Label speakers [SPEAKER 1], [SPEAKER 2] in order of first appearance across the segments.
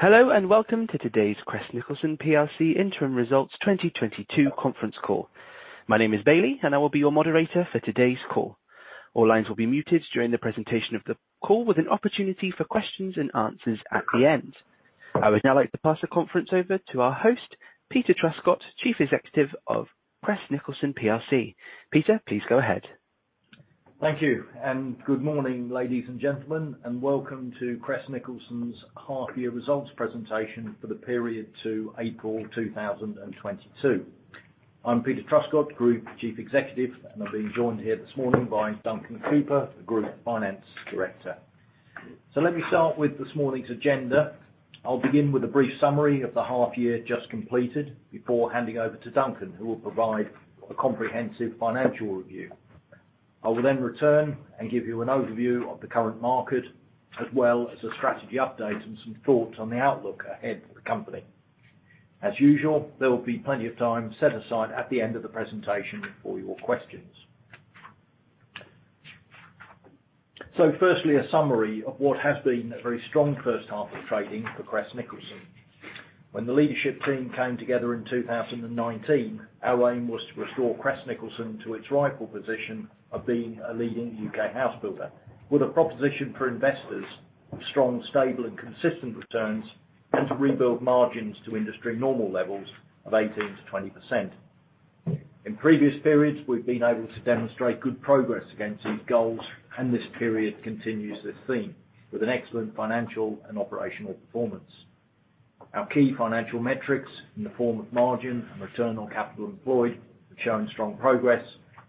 [SPEAKER 1] Hello, and welcome to today's Crest Nicholson PLC Interim Results 2022 conference call. My name is Bailey, and I will be your moderator for today's call. All lines will be muted during the presentation of the call with an opportunity for questions and answers at the end. I would now like to pass the conference over to our host, Peter Truscott, Chief Executive of Crest Nicholson PLC. Peter, please go ahead.
[SPEAKER 2] Thank you. Good morning, ladies and gentlemen, and welcome to Crest Nicholson's half-year results presentation for the period to April 2022. I'm Peter Truscott, Group Chief Executive, and I'm being joined here this morning by Duncan Cooper, the Group Finance Director. Let me start with this morning's agenda. I'll begin with a brief summary of the half year just completed before handing over to Duncan, who will provide a comprehensive financial review. I will then return and give you an overview of the current market, as well as a strategy update and some thoughts on the outlook ahead for the company. As usual, there will be plenty of time set aside at the end of the presentation for your questions. Firstly, a summary of what has been a very strong first half of trading for Crest Nicholson. When the leadership team came together in 2019, our aim was to restore Crest Nicholson to its rightful position of being a leading UK house builder with a proposition for investors, strong, stable and consistent returns, and to rebuild margins to industry normal levels of 18%-20%. In previous periods, we've been able to demonstrate good progress against these goals, and this period continues this theme with an excellent financial and operational performance. Our key financial metrics in the form of margin and return on capital employed have shown strong progress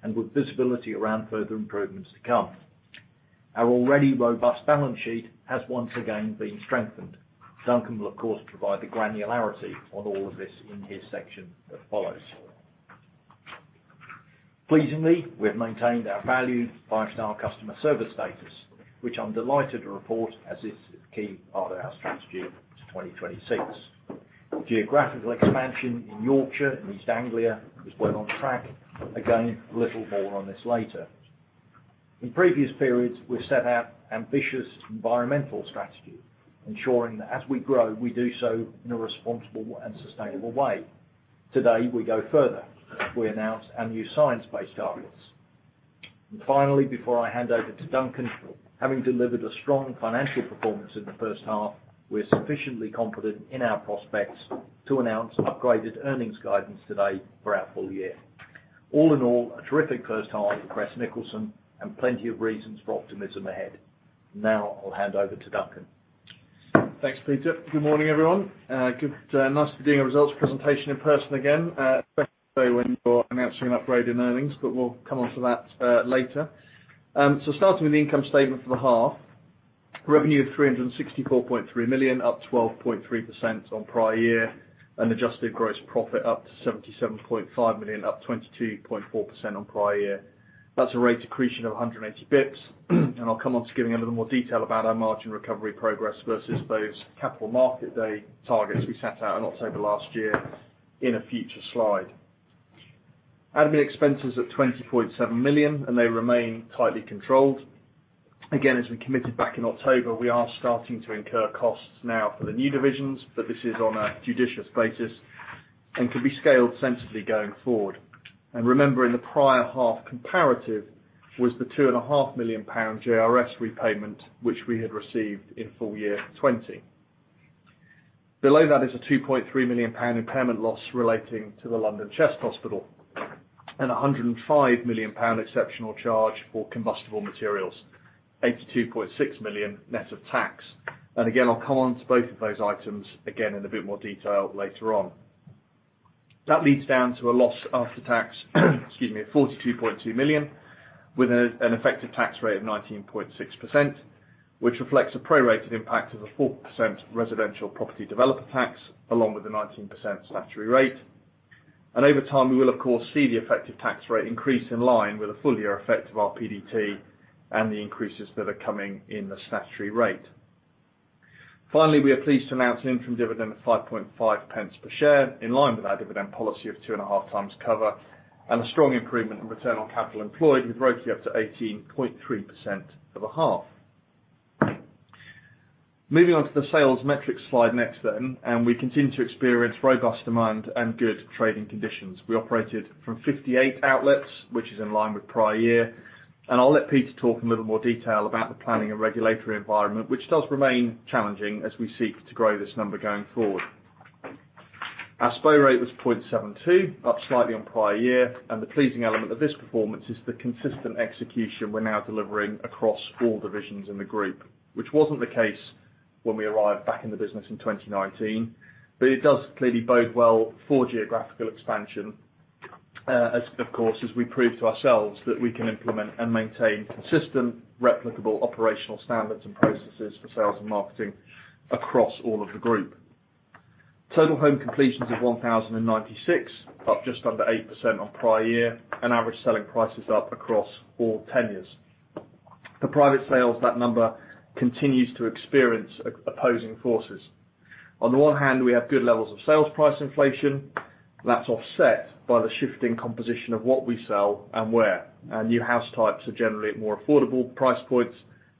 [SPEAKER 2] and with visibility around further improvements to come. Our already robust balance sheet has once again been strengthened. Duncan will, of course, provide the granularity on all of this in his section that follows. Pleasingly, we have maintained our valued five-star customer service status, which I'm delighted to report as it's a key part of our strategy to 2026. Geographical expansion in Yorkshire and East Anglia is well on track. Again, a little more on this later. In previous periods, we set out ambitious environmental strategies, ensuring that as we grow, we do so in a responsible and sustainable way. Today, we go further. We announce our new science-based targets. Finally, before I hand over to Duncan, having delivered a strong financial performance in the first half, we're sufficiently confident in our prospects to announce upgraded earnings guidance today for our full year. All in all, a terrific first half for Crest Nicholson and plenty of reasons for optimism ahead. Now I'll hand over to Duncan.
[SPEAKER 3] Thanks, Peter. Good morning, everyone. Good, nice to be doing a results presentation in person again. Especially when you're announcing an upgrade in earnings, but we'll come onto that later. Starting with the income statement for the half, revenue of 364.3 million, up 12.3% on prior year, an adjusted gross profit up to 77.5 million, up 22.4% on prior year. That's a rate accretion of 180 basis points. I'll come on to giving a little more detail about our margin recovery progress versus those Capital Markets Day targets we set out in October last year in a future slide. Admin expenses at 20.7 million, and they remain tightly controlled. Again, as we committed back in October, we are starting to incur costs now for the new divisions, but this is on a judicious basis and can be scaled sensibly going forward. Remember, in the prior half comparative was the two and a half million pound JRS repayment, which we had received in full year 2020. Below that is a 2.3 million pound impairment loss relating to the London Chest Hospital and a 105 million pound exceptional charge for combustible materials, 82.6 million net of tax. Again, I'll come on to both of those items again in a bit more detail later on. That leads down to a loss after tax, excuse me, 42.2 million, with an effective tax rate of 19.6%, which reflects a prorated impact of a 4% residential property developer tax along with the 19% statutory rate. Over time, we will of course, see the effective tax rate increase in line with a full year effect of our PDT and the increases that are coming in the statutory rate. Finally, we are pleased to announce an interim dividend of 5.5 pence per share in line with our dividend policy of 2.5 times cover and a strong improvement in return on capital employed with ROCE up to 18.3% for the half. Moving on to the sales metrics slide next then. We continue to experience robust demand and good trading conditions. We operated from 58 outlets, which is in line with prior year. I'll let Peter talk in a little more detail about the planning and regulatory environment, which does remain challenging as we seek to grow this number going forward. Our SPOW rate was 0.72, up slightly on prior year. The pleasing element of this performance is the consistent execution we're now delivering across all divisions in the group. Which wasn't the case when we arrived back in the business in 2019. It does clearly bode well for geographical expansion, as of course, as we prove to ourselves that we can implement and maintain consistent replicable operational standards and processes for sales and marketing across all of the group. Total home completions of 1,096, up just under 8% on prior year, and average selling prices up across all tenures. For private sales, that number continues to experience opposing forces. On the one hand, we have good levels of sales price inflation that's offset by the shifting composition of what we sell and where. Our new house types are generally at more affordable price points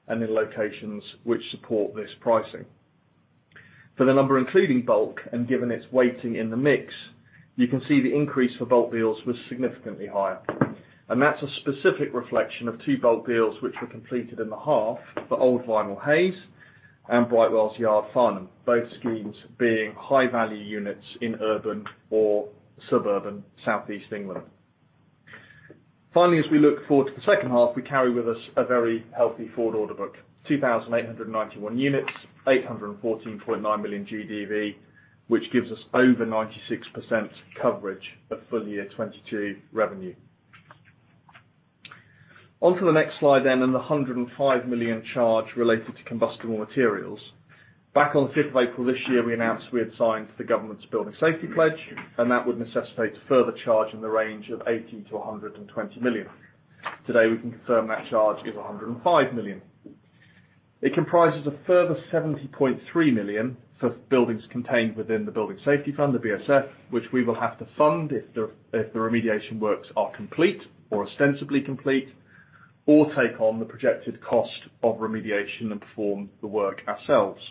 [SPEAKER 3] and in locations which support this pricing. For the number including bulk and given its weighting in the mix, you can see the increase for bulk deals was significantly higher. That's a specific reflection of two bulk deals which were completed in the half for The Old Vinyl Factory, Hayes and Brightwells Yard, Farnham, both schemes being high-value units in urban or suburban Southeast England. Finally, as we look forward to the second half, we carry with us a very healthy forward order book, 2,891 units, 814.9 million GDV, which gives us over 96% coverage of full year 2022 revenue. On to the next slide then, and the 105 million charge related to combustible materials. Back on 5th of April this year, we announced we had signed the government's Building Safety Pledge, and that would necessitate a further charge in the range of 80-120 million. Today, we can confirm that charge is 105 million. It comprises a further 70.3 million for buildings contained within the Building Safety Fund, the BSF, which we will have to fund if the remediation works are complete or ostensibly complete, or take on the projected cost of remediation and perform the work ourselves.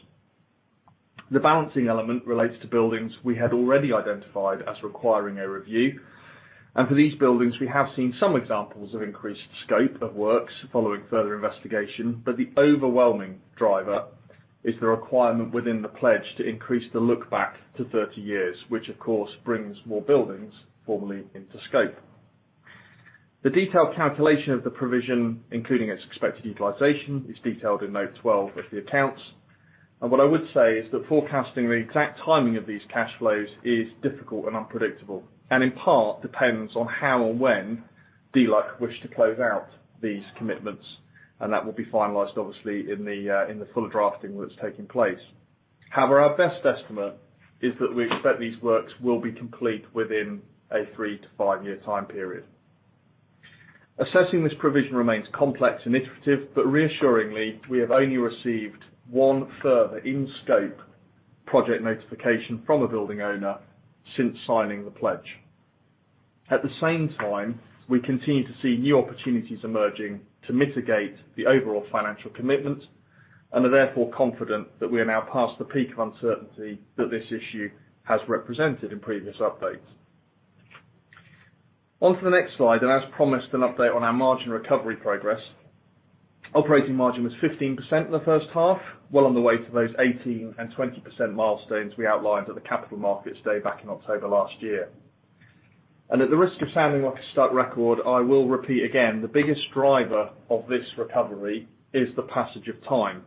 [SPEAKER 3] The balancing element relates to buildings we had already identified as requiring a review, and for these buildings, we have seen some examples of increased scope of works following further investigation. The overwhelming driver is the requirement within the pledge to increase the look back to 30 years, which of course brings more buildings formally into scope. The detailed calculation of the provision, including its expected utilization, is detailed in note 12 of the accounts. What I would say is that forecasting the exact timing of these cash flows is difficult and unpredictable, and in part depends on how or when DLUHC wish to close out these commitments, and that will be finalized, obviously, in the, in the fuller drafting that's taking place. However, our best estimate is that we expect these works will be complete within a 3-5-year time period. Assessing this provision remains complex and iterative, but reassuringly, we have only received one further in-scope project notification from a building owner since signing the pledge. At the same time, we continue to see new opportunities emerging to mitigate the overall financial commitment and are therefore confident that we are now past the peak of uncertainty that this issue has represented in previous updates. On to the next slide, and as promised, an update on our margin recovery progress. Operating margin was 15% in the first half, well on the way to those 18% and 20% milestones we outlined at the Capital Markets Day back in October last year. At the risk of sounding like a stuck record, I will repeat again, the biggest driver of this recovery is the passage of time,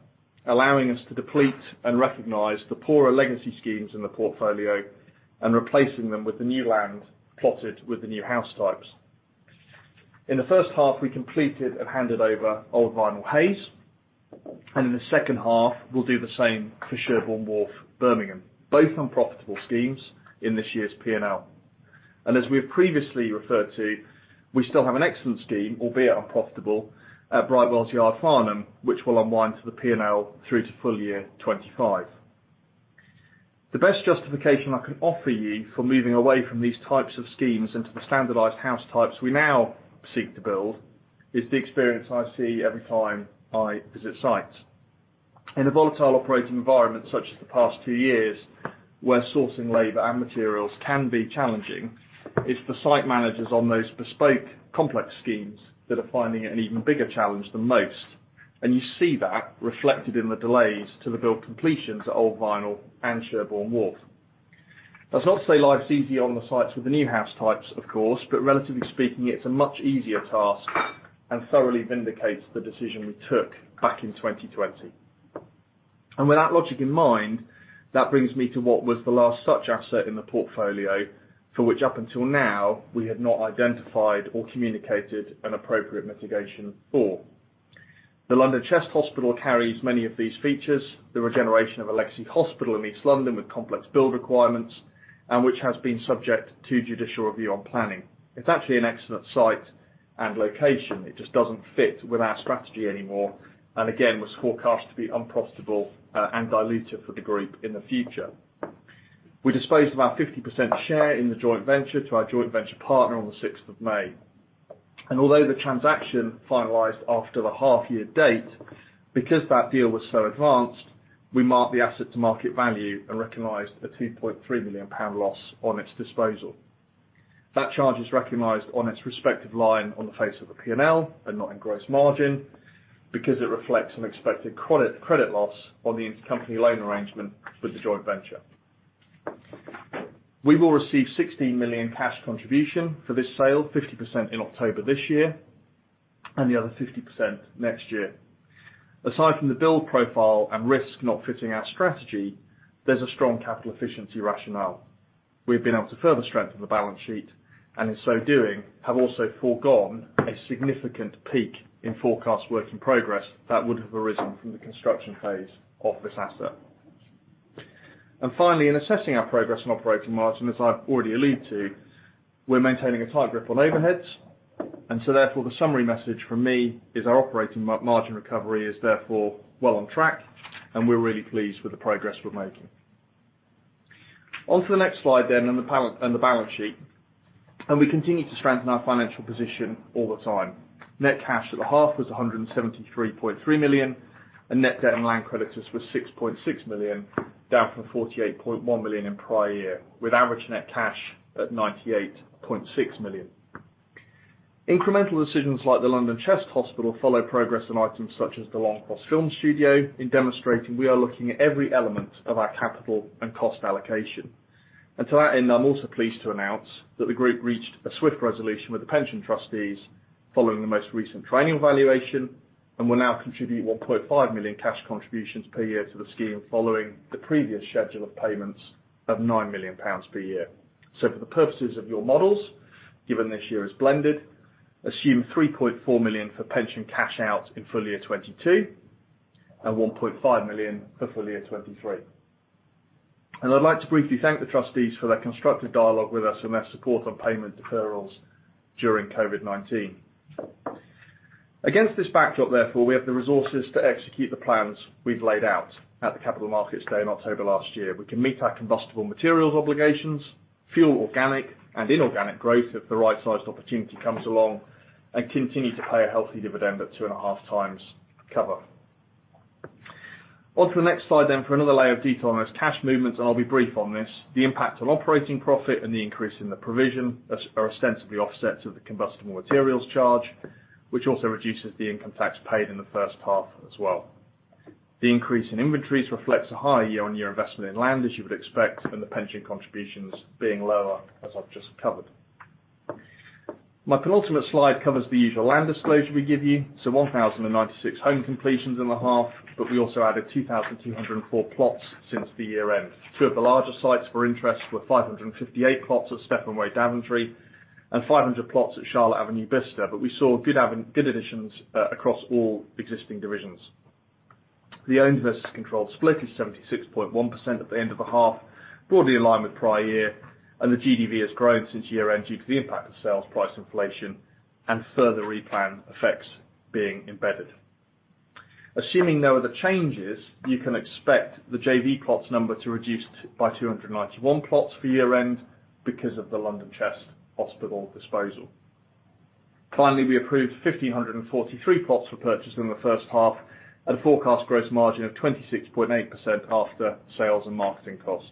[SPEAKER 3] allowing us to deplete and recognize the poorer legacy schemes in the portfolio and replacing them with the new land plotted with the new house types. In the first half, we completed and handed over The Old Vinyl Factory, Hayes, and in the second half, we'll do the same for Sherborne Wharf, Birmingham, both unprofitable schemes in this year's P&L. As we have previously referred to, we still have an excellent scheme, albeit unprofitable, at Brightwells Yard, Farnham, which will unwind to the P&L through to full year 2025. The best justification I can offer you for moving away from these types of schemes into the standardized house types we now seek to build is the experience I see every time I visit sites. In a volatile operating environment such as the past two years, where sourcing labor and materials can be challenging, it's the site managers on those bespoke complex schemes that are finding it an even bigger challenge than most. You see that reflected in the delays to the build completions at The Old Vinyl Factory and Sherborne Wharf. That's not to say life's easier on the sites with the new house types, of course, but relatively speaking, it's a much easier task and thoroughly vindicates the decision we took back in 2020. With that logic in mind, that brings me to what was the last such asset in the portfolio, for which up until now, we had not identified or communicated an appropriate mitigation for. The London Chest Hospital carries many of these features. The regeneration of London Chest Hospital in East London with complex build requirements and which has been subject to judicial review on planning. It's actually an excellent site and location. It just doesn't fit with our strategy anymore, and again, was forecast to be unprofitable, and dilutive for the group in the future. We disposed of our 50% share in the joint venture to our joint venture partner on the sixth of May. Although the transaction finalized after the half year date, because that deal was so advanced, we marked the asset to market value and recognized a 2.3 million pound loss on its disposal. That charge is recognized on its respective line on the face of a P&L and not in gross margin because it reflects an expected credit loss on the intercompany loan arrangement with the joint venture. We will receive 16 million cash contribution for this sale, 50% in October this year and the other 50% next year. Aside from the build profile and risk not fitting our strategy, there's a strong capital efficiency rationale. We've been able to further strengthen the balance sheet and in so doing, have also foregone a significant peak in forecast work in progress that would have arisen from the construction phase of this asset. Finally, in assessing our progress on operating margin, as I've already alluded to, we're maintaining a tight grip on overheads. Therefore, the summary message from me is our operating margin recovery is therefore well on track, and we're really pleased with the progress we're making. On to the next slide then, and the balance sheet. We continue to strengthen our financial position all the time. Net cash at the half was 173.3 million, and net debt and land creditors was 6.6 million, down from 48.1 million in prior year, with average net cash at 98.6 million. Incremental decisions like the London Chest Hospital follow progress on items such as the Longcross Studios in demonstrating we are looking at every element of our capital and cost allocation. To that end, I'm also pleased to announce that the group reached a swift resolution with the pension trustees following the most recent training valuation and will now contribute 1.5 million cash contributions per year to the scheme following the previous schedule of payments of 9 million pounds per year. For the purposes of your models, given this year is blended, assume 3.4 million for pension cash out in full year 2022, and 1.5 million for full year 2023. I'd like to briefly thank the trustees for their constructive dialogue with us and their support on payment deferrals during COVID-19. Against this backdrop, therefore, we have the resources to execute the plans we've laid out at the Capital Markets Day in October last year. We can meet our combustible materials obligations, fuel organic and inorganic growth if the right-sized opportunity comes along, and continue to pay a healthy dividend at 2.5 times cover. On to the next slide, then, for another layer of detail on those cash movements, and I'll be brief on this. The impact on operating profit and the increase in the provision are ostensibly offsets of the combustible materials charge, which also reduces the income tax paid in the first half as well. The increase in inventories reflects a higher year-on-year investment in land, as you would expect, and the pension contributions being lower, as I've just covered. My penultimate slide covers the usual land disclosure we give you, so 1,096 home completions in the half, but we also added 2,204 plots since the year end. Two of the larger sites for interest were 558 plots at Stephenson Way, Daventry and 500 plots at Charlotte Avenue, Bicester, but we saw good additions across all existing divisions. The owned versus controlled split is 76.1% at the end of the half, broadly in line with prior year, and the GDV has grown since year end due to the impact of sales price inflation and further replan effects being embedded. Assuming no other changes, you can expect the JV plots number to reduce by 291 plots for year end because of the London Chest Hospital disposal. Finally, we approved 1,543 plots for purchase in the first half at a forecast gross margin of 26.8% after sales and marketing costs.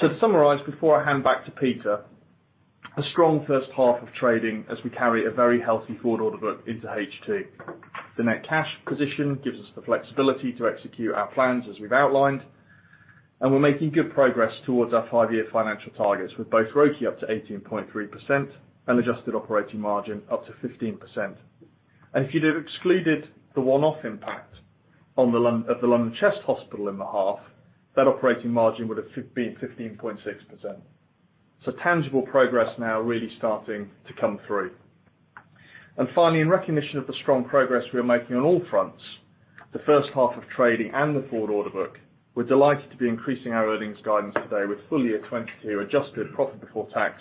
[SPEAKER 3] To summarize, before I hand back to Peter, a strong first half of trading as we carry a very healthy forward order book into HT. The net cash position gives us the flexibility to execute our plans as we've outlined, and we're making good progress towards our five-year financial targets, with both ROCE up to 18.3% and adjusted operating margin up to 15%. If you'd have excluded the one-off impact at the London Chest Hospital in the half, that operating margin would have been 15.6%. Tangible progress now really starting to come through. Finally, in recognition of the strong progress we are making on all fronts, the first half of trading and the forward order book, we're delighted to be increasing our earnings guidance today with full year 2022 adjusted profit before tax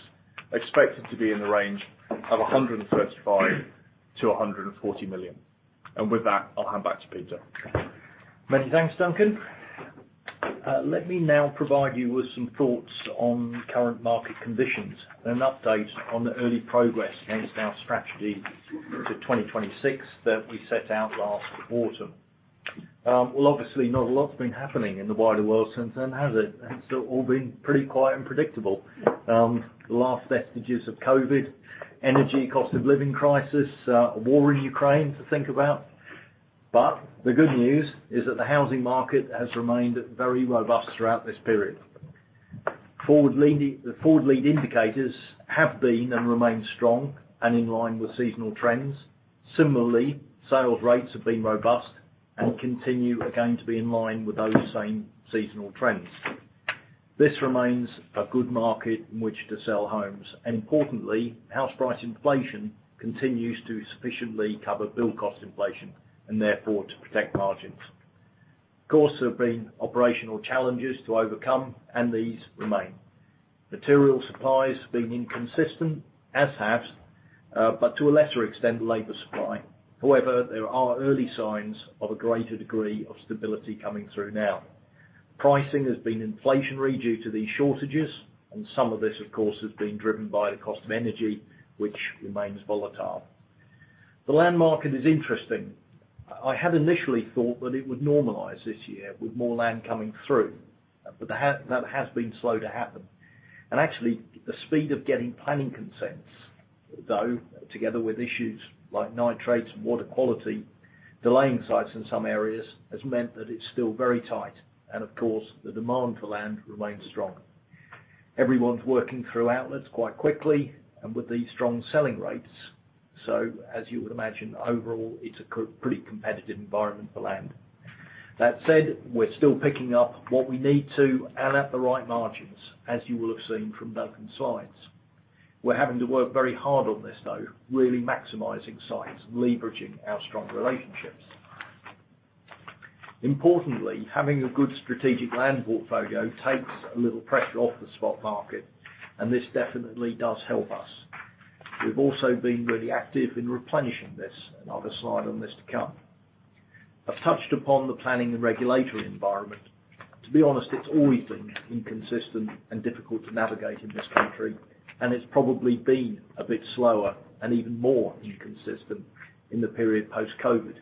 [SPEAKER 3] expected to be in the range of 135 million-140 million. With that, I'll hand back to Peter.
[SPEAKER 2] Many thanks, Duncan. Let me now provide you with some thoughts on current market conditions and an update on the early progress against our strategy to 2026 that we set out last autumn. Well, obviously, not a lot's been happening in the wider world since then, has it? It's all been pretty quiet and predictable. The last vestiges of COVID, energy cost of living crisis, a war in Ukraine to think about, but the good news is that the housing market has remained very robust throughout this period. The forward-looking indicators have been and remain strong and in line with seasonal trends. Similarly, sales rates have been robust and continue again to be in line with those same seasonal trends. This remains a good market in which to sell homes. Importantly, house price inflation continues to sufficiently cover build cost inflation and therefore to protect margins. Of course, there have been operational challenges to overcome, and these remain. Material supplies have been inconsistent, as has, but to a lesser extent, labor supply. However, there are early signs of a greater degree of stability coming through now. Pricing has been inflationary due to these shortages, and some of this, of course, has been driven by the cost of energy, which remains volatile. The land market is interesting. I had initially thought that it would normalize this year with more land coming through, but that has been slow to happen. Actually, the speed of getting planning consents, though, together with issues like nitrates and water quality, delaying sites in some areas has meant that it's still very tight and of course, the demand for land remains strong. Everyone's working through outlets quite quickly and with these strong selling rates. As you would imagine, overall, it's a pretty competitive environment for land. That said, we're still picking up what we need to and at the right margins, as you will have seen from Duncan's slides. We're having to work very hard on this, though, really maximizing sites and leveraging our strong relationships. Importantly, having a good strategic land portfolio takes a little pressure off the spot market, and this definitely does help us. We've also been really active in replenishing this. Another slide on this to come. I've touched upon the planning and regulatory environment. To be honest, it's always been inconsistent and difficult to navigate in this country, and it's probably been a bit slower and even more inconsistent in the period post-COVID.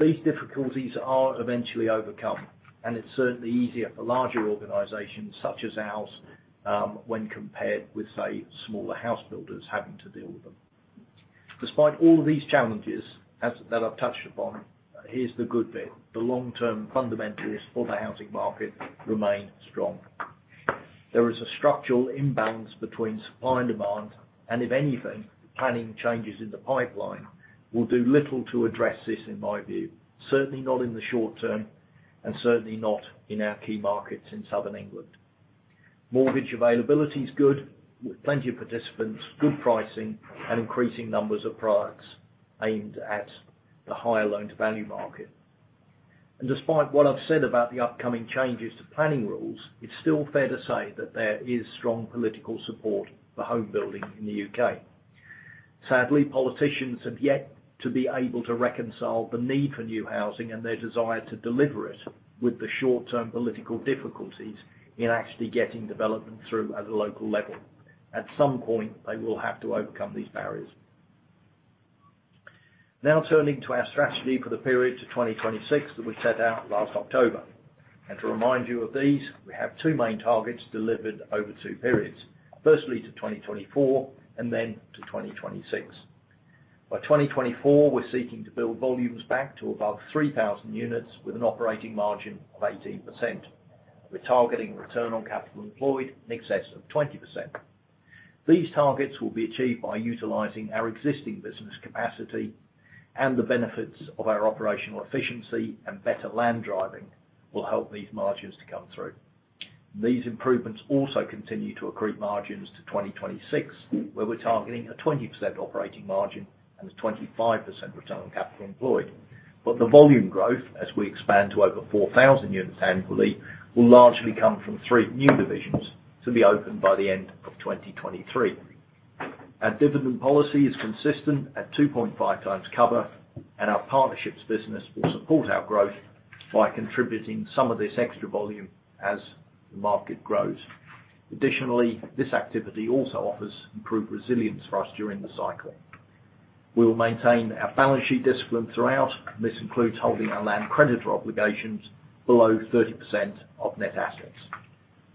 [SPEAKER 2] These difficulties are eventually overcome, and it's certainly easier for larger organizations such as ours, when compared with, say, smaller house builders having to deal with them. Despite all these challenges that I've touched upon, here's the good bit, the long-term fundamentals for the housing market remain strong. There is a structural imbalance between supply and demand, and if anything, planning changes in the pipeline will do little to address this in my view, certainly not in the short term and certainly not in our key markets in Southern England. Mortgage availability is good, with plenty of participants, good pricing, and increasing numbers of products aimed at the higher loan-to-value market. Despite what I've said about the upcoming changes to planning rules, it's still fair to say that there is strong political support for home building in the UK. Sadly, politicians have yet to be able to reconcile the need for new housing and their desire to deliver it with the short-term political difficulties in actually getting development through at a local level. At some point, they will have to overcome these barriers. Now turning to our strategy for the period to 2026 that we set out last October. To remind you of these, we have two main targets delivered over two periods, firstly to 2024 and then to 2026. By 2024, we're seeking to build volumes back to above 3,000 units with an operating margin of 18%. We're targeting return on capital employed in excess of 20%. These targets will be achieved by utilizing our existing business capacity and the benefits of our operational efficiency and better land buying will help these margins to come through. These improvements also continue to accrue margins to 2026, where we're targeting a 20% operating margin and a 25% return on capital employed. The volume growth, as we expand to over 4,000 units annually, will largely come from three new divisions to be opened by the end of 2023. Our dividend policy is consistent at 2.5 times cover, and our partnerships business will support our growth by contributing some of this extra volume as the market grows. Additionally, this activity also offers improved resilience for us during the cycle. We will maintain our balance sheet discipline throughout. This includes holding our land creditor obligations below 30% of net assets.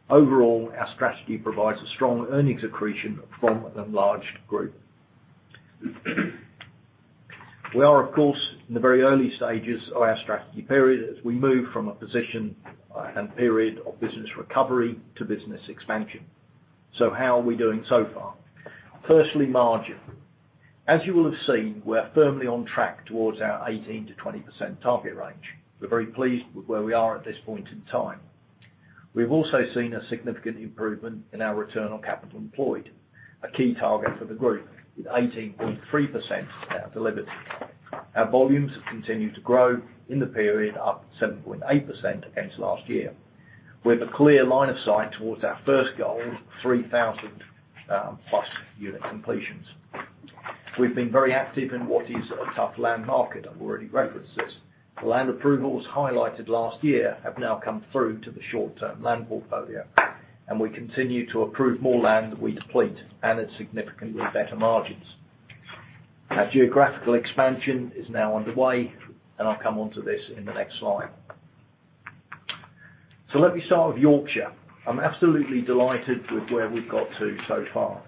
[SPEAKER 2] Overall, our strategy provides a strong earnings accretion from an enlarged group. We are, of course, in the very early stages of our strategy period as we move from a position and period of business recovery to business expansion. How are we doing so far? Firstly, margin. As you will have seen, we're firmly on track towards our 18%-20% target range. We're very pleased with where we are at this point in time. We have also seen a significant improvement in our return on capital employed, a key target for the group with 18.3% delivered. Our volumes have continued to grow in the period, up 7.8% against last year. We have a clear line of sight towards our first goal, 3,000+ unit completions. We've been very active in what is a tough land market. I've already referenced this. The land approvals highlighted last year have now come through to the short term land portfolio, and we continue to approve more land that we deplete and at significantly better margins. Our geographical expansion is now underway, and I'll come onto this in the next slide. Let me start with Yorkshire. I'm absolutely delighted with where we've got to so far.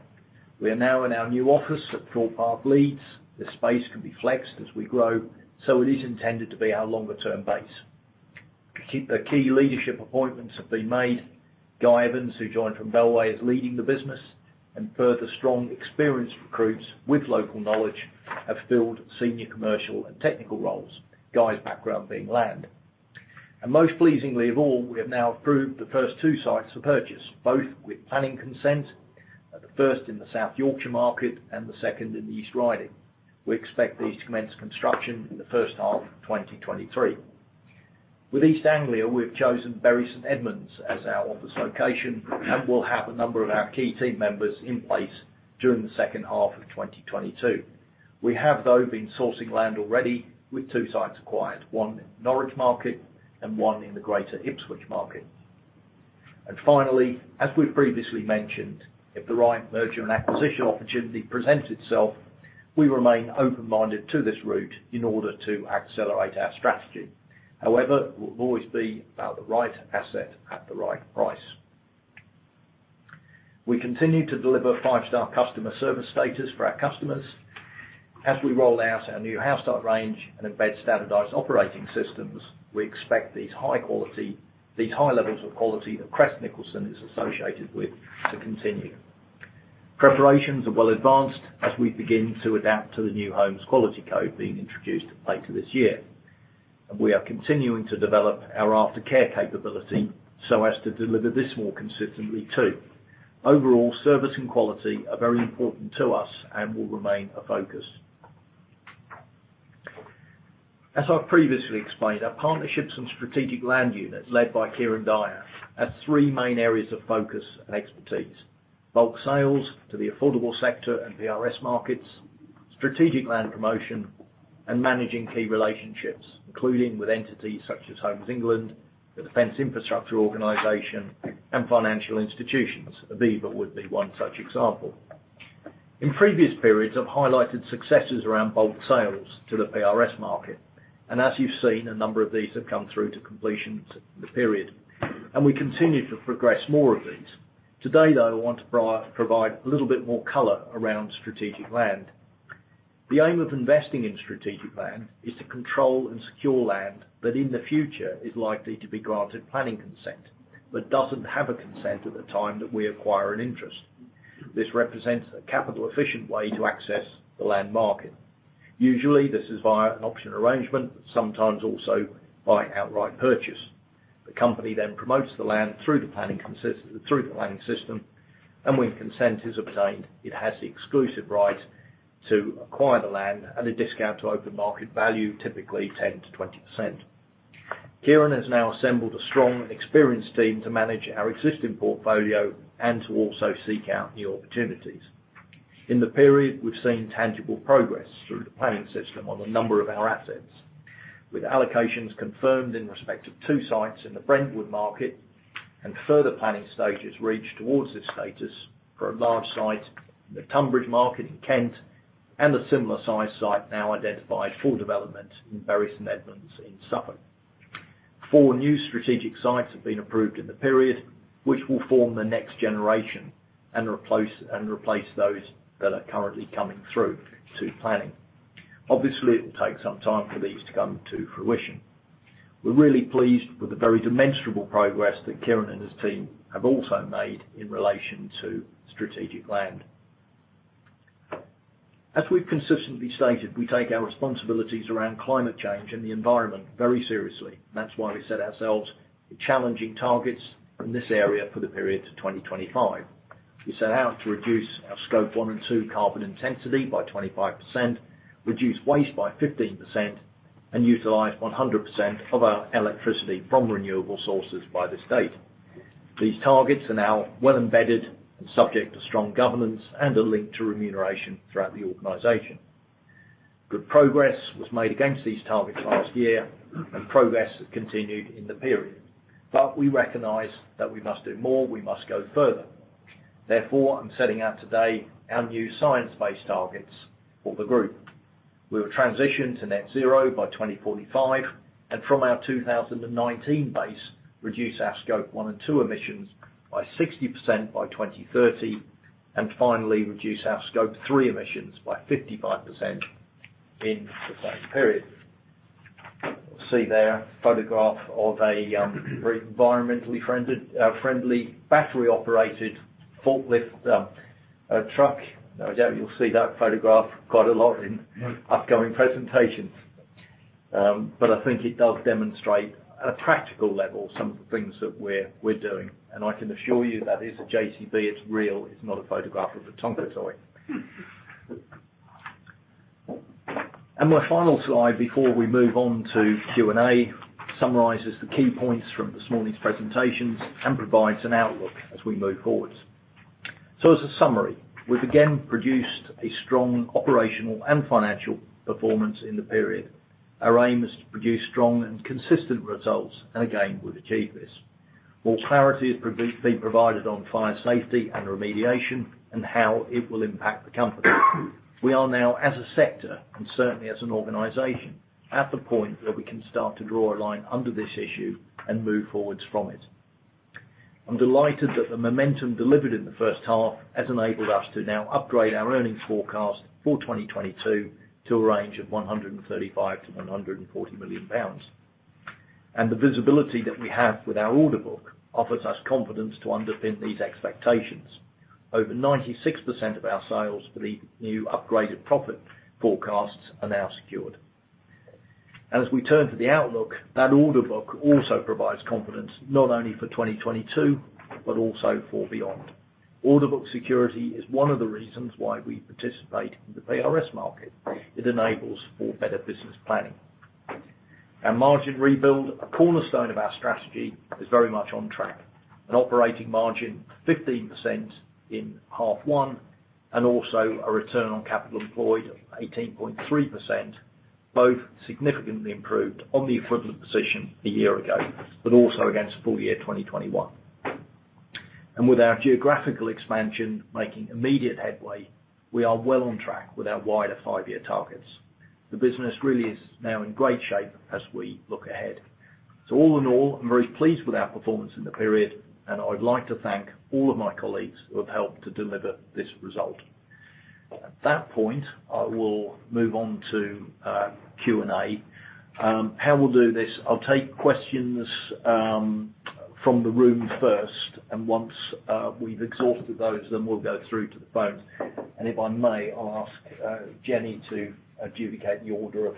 [SPEAKER 2] We are now in our new office at Thorpe Park, Leeds. The space can be flexed as we grow, so it is intended to be our longer term base. Key leadership appointments have been made. Guy Evans, who joined from Bellway, is leading the business and further strong experienced recruits with local knowledge have filled senior commercial and technical roles, Guy's background being land. Most pleasingly of all, we have now approved the first two sites for purchase, both with planning consent, the first in the South Yorkshire market and the second in the East Riding. We expect these to commence construction in the first half of 2023. With East Anglia, we've chosen Bury St Edmunds as our office location and will have a number of our key team members in place during the second half of 2022. We have, though, been sourcing land already with two sites acquired, one in Norwich market and one in the Greater Ipswich market. Finally, as we've previously mentioned, if the right merger and acquisition opportunity presents itself, we remain open-minded to this route in order to accelerate our strategy. However, it will always be about the right asset at the right price. We continue to deliver five-star customer service status for our customers. As we roll out our new house start range and embed standardized operating systems, we expect these high levels of quality that Crest Nicholson is associated with to continue. Preparations are well advanced as we begin to adapt to the New Homes Quality Code being introduced later this year. We are continuing to develop our aftercare capability so as to deliver this more consistently too. Overall, service and quality are very important to us and will remain a focus. As I previously explained, our partnerships and strategic land units, led by Kieran Daya, have three main areas of focus and expertise. Bulk sales to the affordable sector and PRS markets, strategic land promotion, and managing key relationships, including with entities such as Homes England, the Defence Infrastructure Organisation, and financial institutions. Aviva would be one such example. In previous periods, I've highlighted successes around bulk sales to the PRS market, and as you've seen, a number of these have come through to completion in the period, and we continue to progress more of these. Today, though, I want to provide a little bit more color around strategic land. The aim of investing in strategic land is to control and secure land that in the future is likely to be granted planning consent, but doesn't have a consent at the time that we acquire an interest. This represents a capital efficient way to access the land market. Usually, this is via an option arrangement, sometimes also by outright purchase. The company promotes the land through the planning system, and when consent is obtained, it has the exclusive right to acquire the land at a discount to open market value, typically 10%-20%. Kieran has now assembled a strong experienced team to manage our existing portfolio and to also seek out new opportunities. In the period, we've seen tangible progress through the planning system on a number of our assets, with allocations confirmed in respect of two sites in the Brentwood market and further planning stages reached towards this status for a large site, the Tonbridge market in Kent, and a similar size site now identified for development in Bury St Edmunds in Suffolk. Four new strategic sites have been approved in the period, which will form the next generation and replace those that are currently coming through to planning. Obviously, it will take some time for these to come to fruition. We're really pleased with the very demonstrable progress that Kieran and his team have also made in relation to strategic land. As we've consistently stated, we take our responsibilities around climate change and the environment very seriously. That's why we set ourselves challenging targets in this area for the period to 2025. We set out to reduce our scope one and two carbon intensity by 25%, reduce waste by 15%, and utilize 100% of our electricity from renewable sources by this date. These targets are now well embedded and subject to strong governance and are linked to remuneration throughout the organization. Good progress was made against these targets last year, and progress has continued in the period. We recognize that we must do more, we must go further. Therefore, I'm setting out today our new science-based targets for the group. We will transition to net zero by 2045, and from our 2019 base, reduce our scope one and two emissions by 60% by 2030, and finally, reduce our scope three emissions by 55% in the same period. You see there a photograph of a very environmentally friendly, battery-operated forklift truck. No doubt you'll see that photograph quite a lot in upcoming presentations. But I think it does demonstrate at a practical level some of the things that we're doing. I can assure you that is a JCB, it's real. It's not a photograph of a toy. My final slide before we move on to Q&A summarizes the key points from this morning's presentations and provides an outlook as we move forward. As a summary, we've again produced a strong operational and financial performance in the period. Our aim is to produce strong and consistent results, and again, we've achieved this. More clarity has been provided on fire safety and remediation and how it will impact the company. We are now as a sector, and certainly as an organization, at the point where we can start to draw a line under this issue and move forward from it. I'm delighted that the momentum delivered in the first half has enabled us to now upgrade our earnings forecast for 2022 to a range of 135 million-140 million pounds. The visibility that we have with our order book offers us confidence to underpin these expectations. Over 96% of our sales for the new upgraded profit forecasts are now secured. As we turn to the outlook, that order book also provides confidence not only for 2022, but also for beyond. Order book security is one of the reasons why we participate in the PRS market. It enables for better business planning. Our margin rebuild, a cornerstone of our strategy, is very much on track. An operating margin of 15% in half one, and also a return on capital employed, 18.3%, both significantly improved on the equivalent position a year ago, but also against full year 2021. With our geographical expansion making immediate headway, we are well on track with our wider five-year targets. The business really is now in great shape as we look ahead. All in all, I'm very pleased with our performance in the period, and I'd like to thank all of my colleagues who have helped to deliver this result. At that point, I will move on to Q&A. How we'll do this, I'll take questions from the room first, and once we've exhausted those, then we'll go through to the phone. If I may, I'll ask Jenny to adjudicate the order of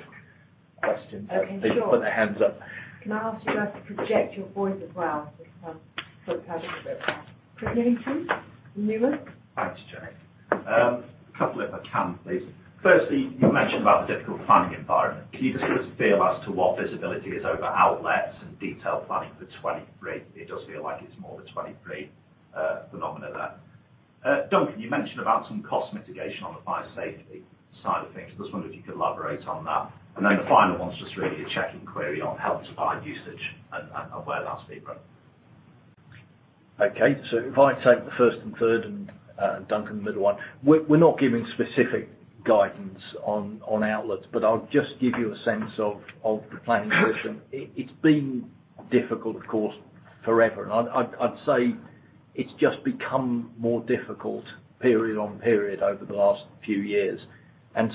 [SPEAKER 2] questions.
[SPEAKER 4] Okay, sure.
[SPEAKER 2] They should put their hands up.
[SPEAKER 4] Can I ask you guys to project your voice as well? Just kind of put a bit. Chris Millington, from Numis.
[SPEAKER 5] Thanks, Jenny. A couple if I can, please. Firstly, you mentioned about the difficult planning environment. Can you just give us a feel as to what visibility is over outlets and detail planning for 2023? It does feel like it's more of a 2023 phenomenon there. Duncan, you mentioned about some cost mitigation on the fire safety side of things. I just wonder if you could elaborate on that. The final one's just really a checking query on Help to Buy usage and where that's been.
[SPEAKER 2] Okay. So if I take the first and third, and Duncan, the middle one. We're not giving specific guidance on outlets, but I'll just give you a sense of the planning position. It's been difficult, of course, forever. I'd say it's just become more difficult period on period over the last few years.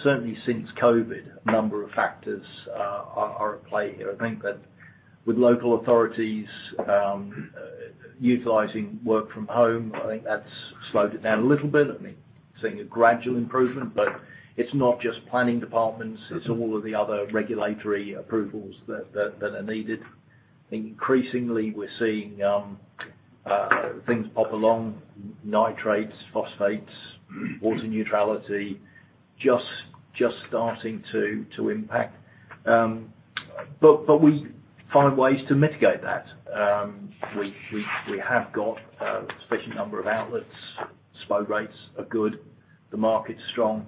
[SPEAKER 2] Certainly since COVID, a number of factors are at play here. I think that with local authorities utilizing work from home, I think that's slowed it down a little bit. I mean, seeing a gradual improvement. It's not just planning departments, it's all of the other regulatory approvals that are needed. Increasingly, we're seeing things pop up, nitrates, phosphates, water neutrality just starting to impact. We find ways to mitigate that. We have got a sufficient number of outlets. SPO rates are good. The market's strong.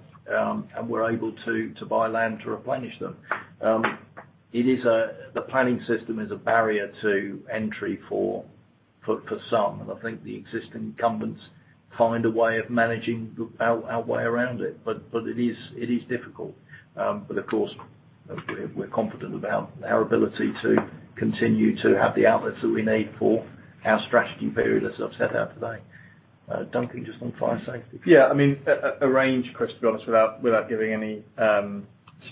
[SPEAKER 2] We're able to buy land to replenish them. The planning system is a barrier to entry for some. I think the existing incumbents find a way of managing our way around it. It is difficult. Of course we're confident about our ability to continue to have the outlets that we need for our strategy period, as I've set out today. Duncan, just on fire safety.
[SPEAKER 3] Yeah. I mean, a range, Chris, to be honest, without giving any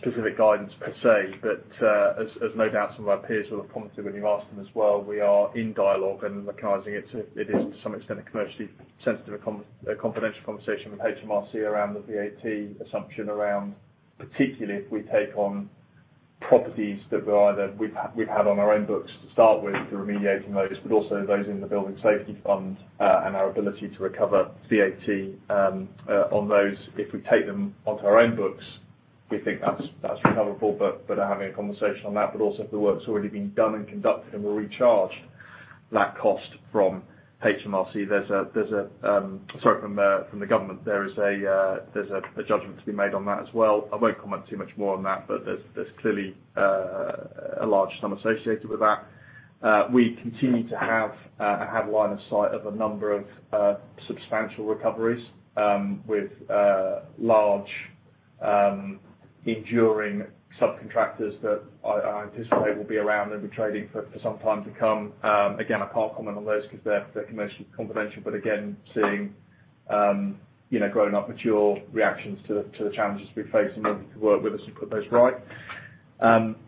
[SPEAKER 3] specific guidance per se. No doubt some of our peers will have commented when you ask them as well, we are in dialogue and recognizing it is to some extent a commercially sensitive a confidential conversation with HMRC around the VAT assumption around particularly if we take on properties that we either we've had on our own books to start with, we're remediating those, but also those in the Building Safety Fund, and our ability to recover VAT on those. If we take them onto our own books, we think that's recoverable. Are having a conversation on that. Also if the work's already been done and conducted and we'll recharge that cost from HMRC. Sorry, from the government, there is a judgment to be made on that as well. I won't comment too much more on that. There's clearly a large sum associated with that. We continue to have line of sight of a number of substantial recoveries with large enduring subcontractors that I anticipate will be around. They'll be trading for some time to come. Again, I can't comment on those 'cause they're commercially confidential. Again, seeing you know, grown-up mature reactions to the challenges we face and willing to work with us to put those right.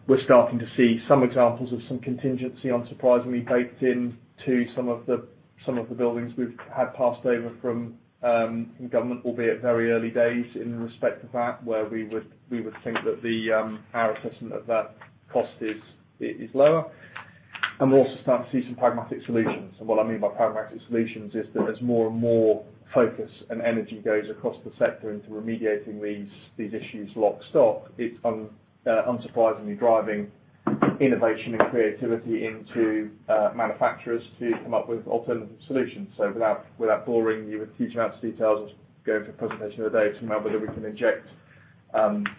[SPEAKER 3] We're starting to see some examples of some contingency unsurprisingly baked into some of the buildings we've had passed over from government, albeit very early days in respect of that, where we would think that our assessment of that cost is lower. We're also starting to see some pragmatic solutions. What I mean by pragmatic solutions is that as more and more focus and energy goes across the sector into remediating these issues lock stock, it's unsurprisingly driving innovation and creativity into manufacturers to come up with alternative solutions. Without boring you with huge amounts of details, I was going through a presentation the other day talking about whether we can inject,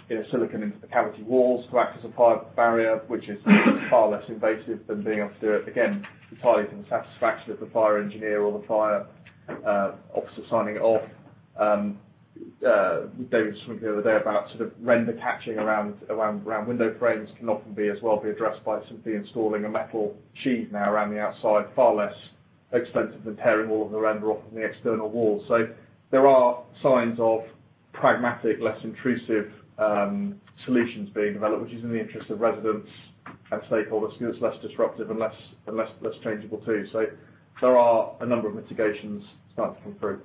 [SPEAKER 3] you know, silicone into the cavity walls to act as a fire barrier, which is far less invasive than being able to do it. Again, entirely from the satisfaction of the fire engineer or the fire officer signing it off. We gave a talk the other day about sort of render catching around window frames can often be as well addressed by simply installing a metal sheet now around the outside. Far less expensive than tearing all of the render off from the external walls. There are signs of pragmatic, less intrusive, solutions being developed, which is in the interest of residents and stakeholders, 'cause it's less disruptive and less changeable too. There are a number of mitigations starting to come through.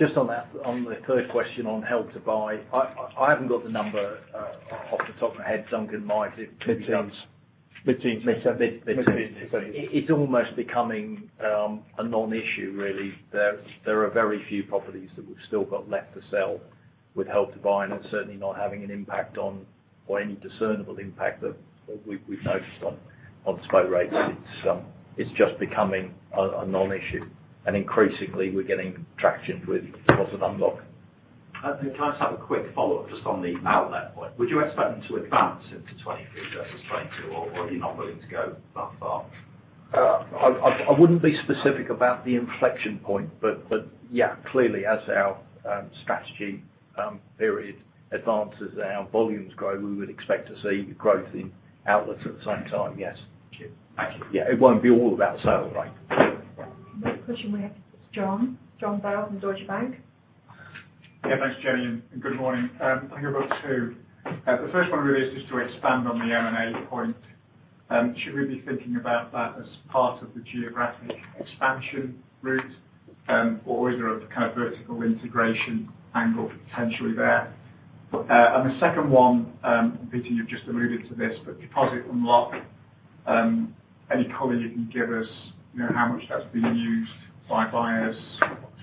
[SPEAKER 2] Just on that, on the third question on Help to Buy. I haven't got the number off the top of my head. Duncan might. It could be-
[SPEAKER 3] Mid-teens.
[SPEAKER 2] Mid.
[SPEAKER 3] Mid-teens.
[SPEAKER 2] It's almost becoming a non-issue really. There are very few properties that we've still got left to sell with Help to Buy, and it's certainly not having an impact on or any discernible impact that we've noticed on SPOW rates. It's just becoming a non-issue. Increasingly we're getting traction with Deposit Unlock.
[SPEAKER 5] Can I just have a quick follow-up just on the outlet point? Would you expect them to advance into 2023 versus 2022, or are you not willing to go that far?
[SPEAKER 2] I wouldn't be specific about the inflection point, but yeah, clearly as our strategy period advances and our volumes grow, we would expect to see growth in outlets at the same time, yes.
[SPEAKER 5] Thank you.
[SPEAKER 2] Yeah. It won't be all about sales, right.
[SPEAKER 4] Next question we have is John. John Bell from Deutsche Bank.
[SPEAKER 6] Yeah. Thanks, Jenny, and good morning. I think I've got two. The first one really is just to expand on the point, should we be thinking about that as part of the geographic expansion route? Or is there a kind of vertical integration angle potentially there? And the second one, Peter, you've just alluded to this, but Deposit Unlock, any color you can give us, you know, how much that's been used by buyers,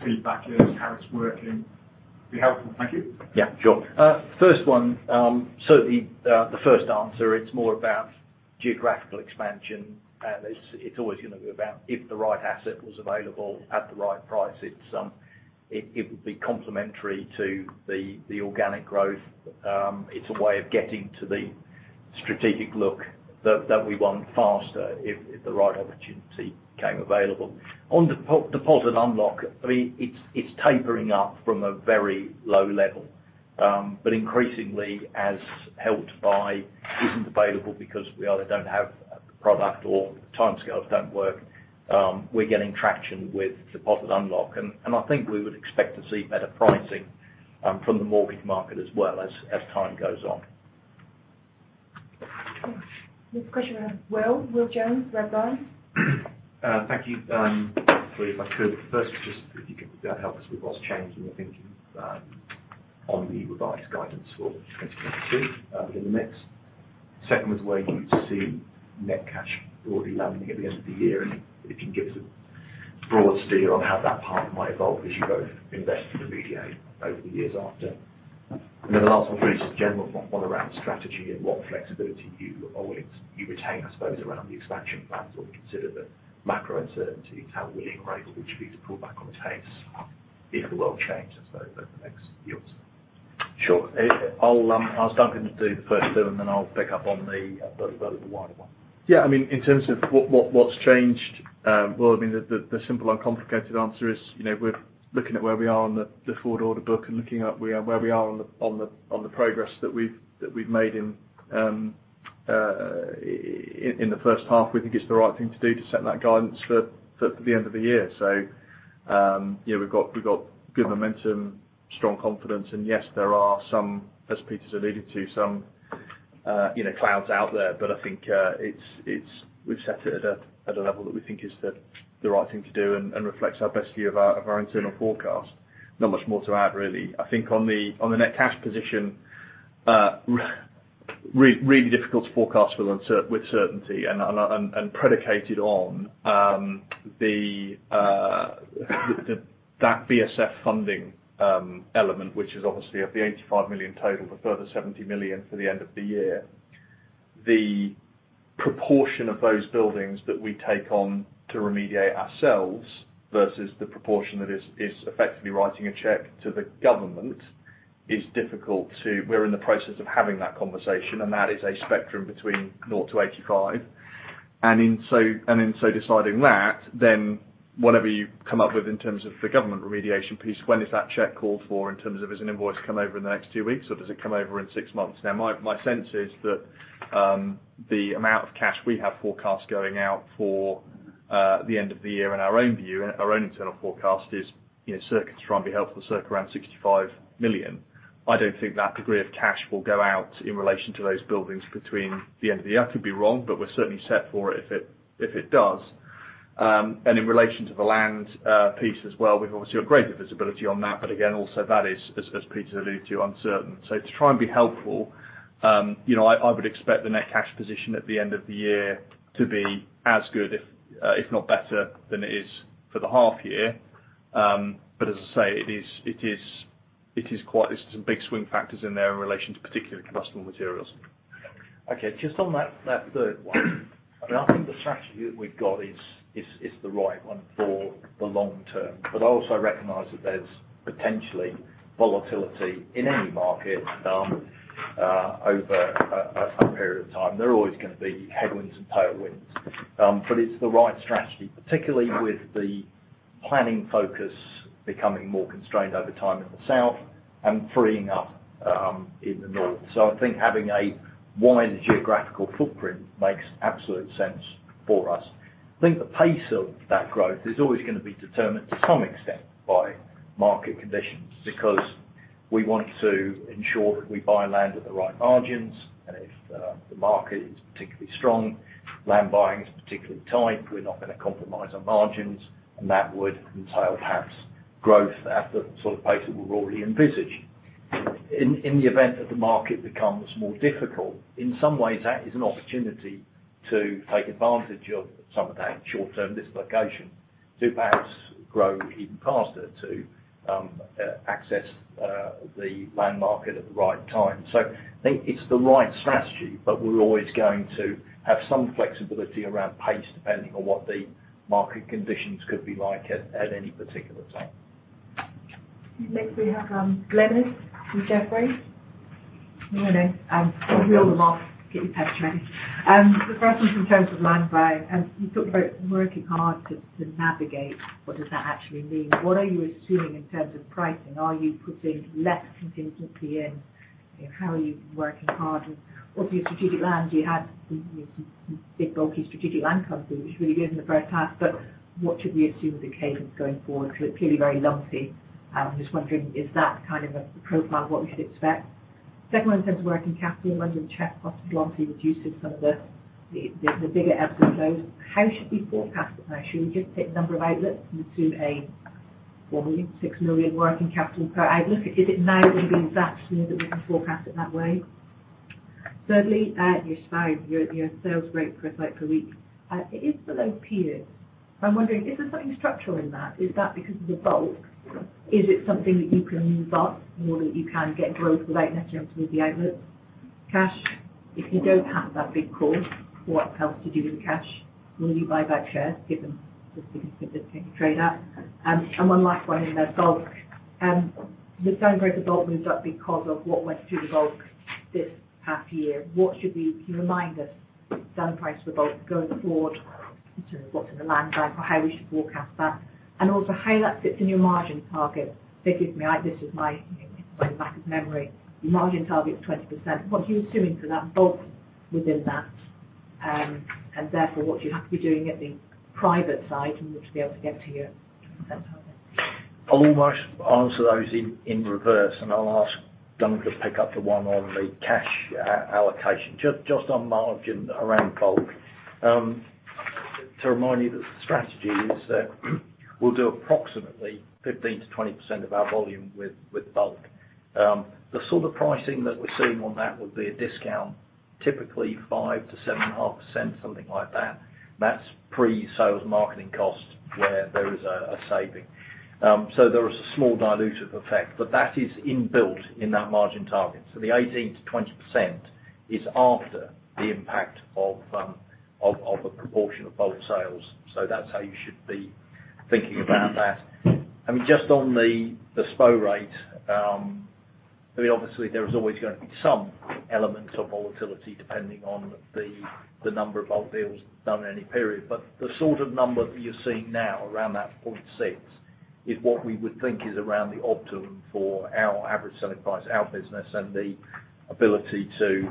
[SPEAKER 6] feedback is, how it's working, be helpful. Thank you.
[SPEAKER 2] Yeah, sure. First one, certainly, the first answer, it's more about geographical expansion, and it's always gonna be about if the right asset was available at the right price. It would be complementary to the organic growth. It's a way of getting to the strategic look that we want faster if the right opportunity came available. On Deposit Unlock, I mean, it's tapering up from a very low level. Increasingly as Help to Buy isn't available because we either don't have product or timescales don't work, we're getting traction with Deposit Unlock. I think we would expect to see better pricing from the mortgage market as well as time goes on.
[SPEAKER 4] Next question, Will Jones, Redburn.
[SPEAKER 7] Thank you. Three, if I could. First, just if you could help us with what's changed in your thinking on the revised guidance for 2022, within the mix. Second, where you see net cash broadly landing at the end of the year, and if you can give us a broad steer on how that might evolve as you both invest in the land over the years after. The last one, a very general one around strategy and what flexibility you retain, I suppose, around the expansion plans or consider the macro uncertainties, how willing or able would you be to pull back on the pace if the world changes over the next years.
[SPEAKER 2] Sure. I'll start with do the first two, and then I'll pick up on the wider one.
[SPEAKER 3] Yeah, I mean, in terms of what's changed, well, I mean, the simple uncomplicated answer is, you know, we're looking at where we are on the forward order book and looking at where we are on the progress that we've made in the first half. We think it's the right thing to do to set that guidance for the end of the year. Yeah, we've got good momentum, strong confidence, and yes, there are some, as Peter's alluded to, some you know, clouds out there. But I think, we've set it at a level that we think is the right thing to do and reflects our best view of our internal forecast. Not much more to add, really. I think on the net cash position, really difficult to forecast with certainty and predicated on that BSF funding element, which is obviously of the 85 million total, a further 70 million for the end of the year. The proportion of those buildings that we take on to remediate ourselves versus the proportion that is effectively writing a check to the government is difficult. We're in the process of having that conversation, and that is a spectrum between null to 85. In so deciding that, then whatever you come up with in terms of the government remediation piece, when is that check called for in terms of is an invoice come over in the next two weeks, or does it come over in six months? Now, my sense is that the amount of cash we have forecast going out for the end of the year in our own view and our own internal forecast is circumscribed. To be helpful, you know, circa around 65 million. I don't think that degree of cash will go out in relation to those buildings between the end of the year. I could be wrong, but we're certainly set for it if it does. In relation to the land piece as well, we've obviously a greater visibility on that. But again, also that is, as Peter has alluded to, uncertain. To try and be helpful, you know, I would expect the net cash position at the end of the year to be as good if not better than it is for the half year. As I say, it is quite. There's some big swing factors in there in relation to particular combustible materials.
[SPEAKER 2] Okay, just on that third one. I mean, I think the strategy that we've got is the right one for the long term. I also recognize that there's potentially volatility in any market over a period of time. There are always gonna be headwinds and tailwinds. It's the right strategy, particularly with the planning focus becoming more constrained over time in the south and freeing up in the north. I think having a wide geographical footprint makes absolute sense for us. I think the pace of that growth is always gonna be determined to some extent by market conditions because we want to ensure that we buy land at the right margins. If the market is particularly strong, land buying is particularly tight, we're not gonna compromise our margins, and that would entail perhaps growth at the sort of pace that we're already envisaged. In the event that the market becomes more difficult, in some ways, that is an opportunity to take advantage of some of that short-term dislocation to perhaps grow even faster to access the land market at the right time. I think it's the right strategy, but we're always going to have some flexibility around pace depending on what the market conditions could be like at any particular time.
[SPEAKER 4] Next, we have Glynis from Jefferies.
[SPEAKER 8] Good morning. I'll reel them off, get your pen ready. The first one's in terms of land buying, and you talked about working hard to navigate. What does that actually mean? What are you assuming in terms of pricing? Are you putting less contingency in? How are you working hard? Of your strategic lands, you had some big, bulky strategic land come through, which is really good in the first half. What should we assume the cadence going forward? Because it's clearly very lumpy. I'm just wondering, is that kind of a profile of what we should expect? Second one in terms of working capital, under the cash cost largely reduces some of the bigger episodic flows. How should we forecast it now? Should we just take the number of outlets into a 4 million, 6 million working capital per outlet? Is it now going to be that smooth that we can forecast it that way? Thirdly, your SPO, your sales rate per site per week, it is below par. I'm wondering, is there something structural in that? Is that because of the bulk? Is it something that you can move up more that you can get growth without necessarily having to move the outlets? Cash, if you don't have that big call, what else to do with the cash? Will you buy back shares given the significant trade up? One last one in there, bulk. The selling price of bulk moves up because of what went through the bulk this past year. Can you remind us the selling price for bulk going forward in terms of what's in the land bank or how we should forecast that? Also how that fits in your margin target. Forgive me, this is my, you know, my lack of memory. Your margin target is 20%. What are you assuming for that bulk within that, and therefore what do you have to be doing at the private side in order to be able to get to your 20% target?
[SPEAKER 2] I'll almost answer those in reverse, and I'll ask Duncan to pick up the one on the cash allocation. Just on margin around bulk, to remind you that the strategy is that we'll do approximately 15%-20% of our volume with bulk. The sort of pricing that we're seeing on that would be a discount, typically 5%-7.5%, something like that. That's pre-sales marketing costs where there is a saving. There is a small dilutive effect, but that is inbuilt in that margin target. The 18%-20% is after the impact of a proportion of bulk sales. That's how you should be thinking about that. I mean, just on the SPO rate, I mean, obviously there is always going to be some elements of volatility depending on the number of bulk deals done in any period. The sort of number that you're seeing now around that 0.6 is what we would think is around the optimum for our average selling price, our business, and the ability to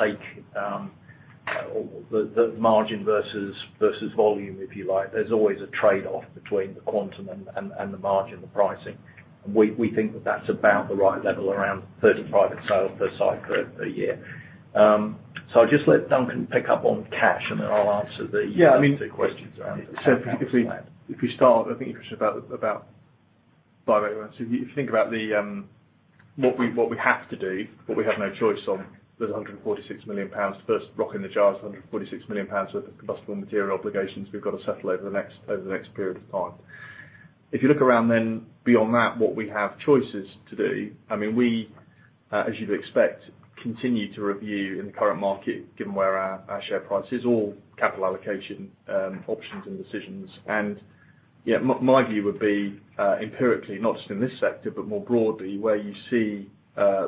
[SPEAKER 2] take the margin versus volume, if you like. There's always a trade-off between the quantum and the margin, the pricing. We think that that's about the right level around 35 in sales per site per year. I'll just let Duncan pick up on cash, and then I'll answer the
[SPEAKER 3] Yeah, I mean.
[SPEAKER 2] The other two questions around it.
[SPEAKER 3] If we start, I think you're interested about buyback. If you think about what we have to do, what we have no choice on, there's 146 million pounds. First rock in the jar is 146 million pounds worth of combustible material obligations we've got to settle over the next period of time. If you look around then beyond that, what we have choices to do, I mean, as you'd expect, continue to review in the current market, given where our share price is, all capital allocation options, and decisions. Yeah, my view would be, empirically, not just in this sector, but more broadly, where you see,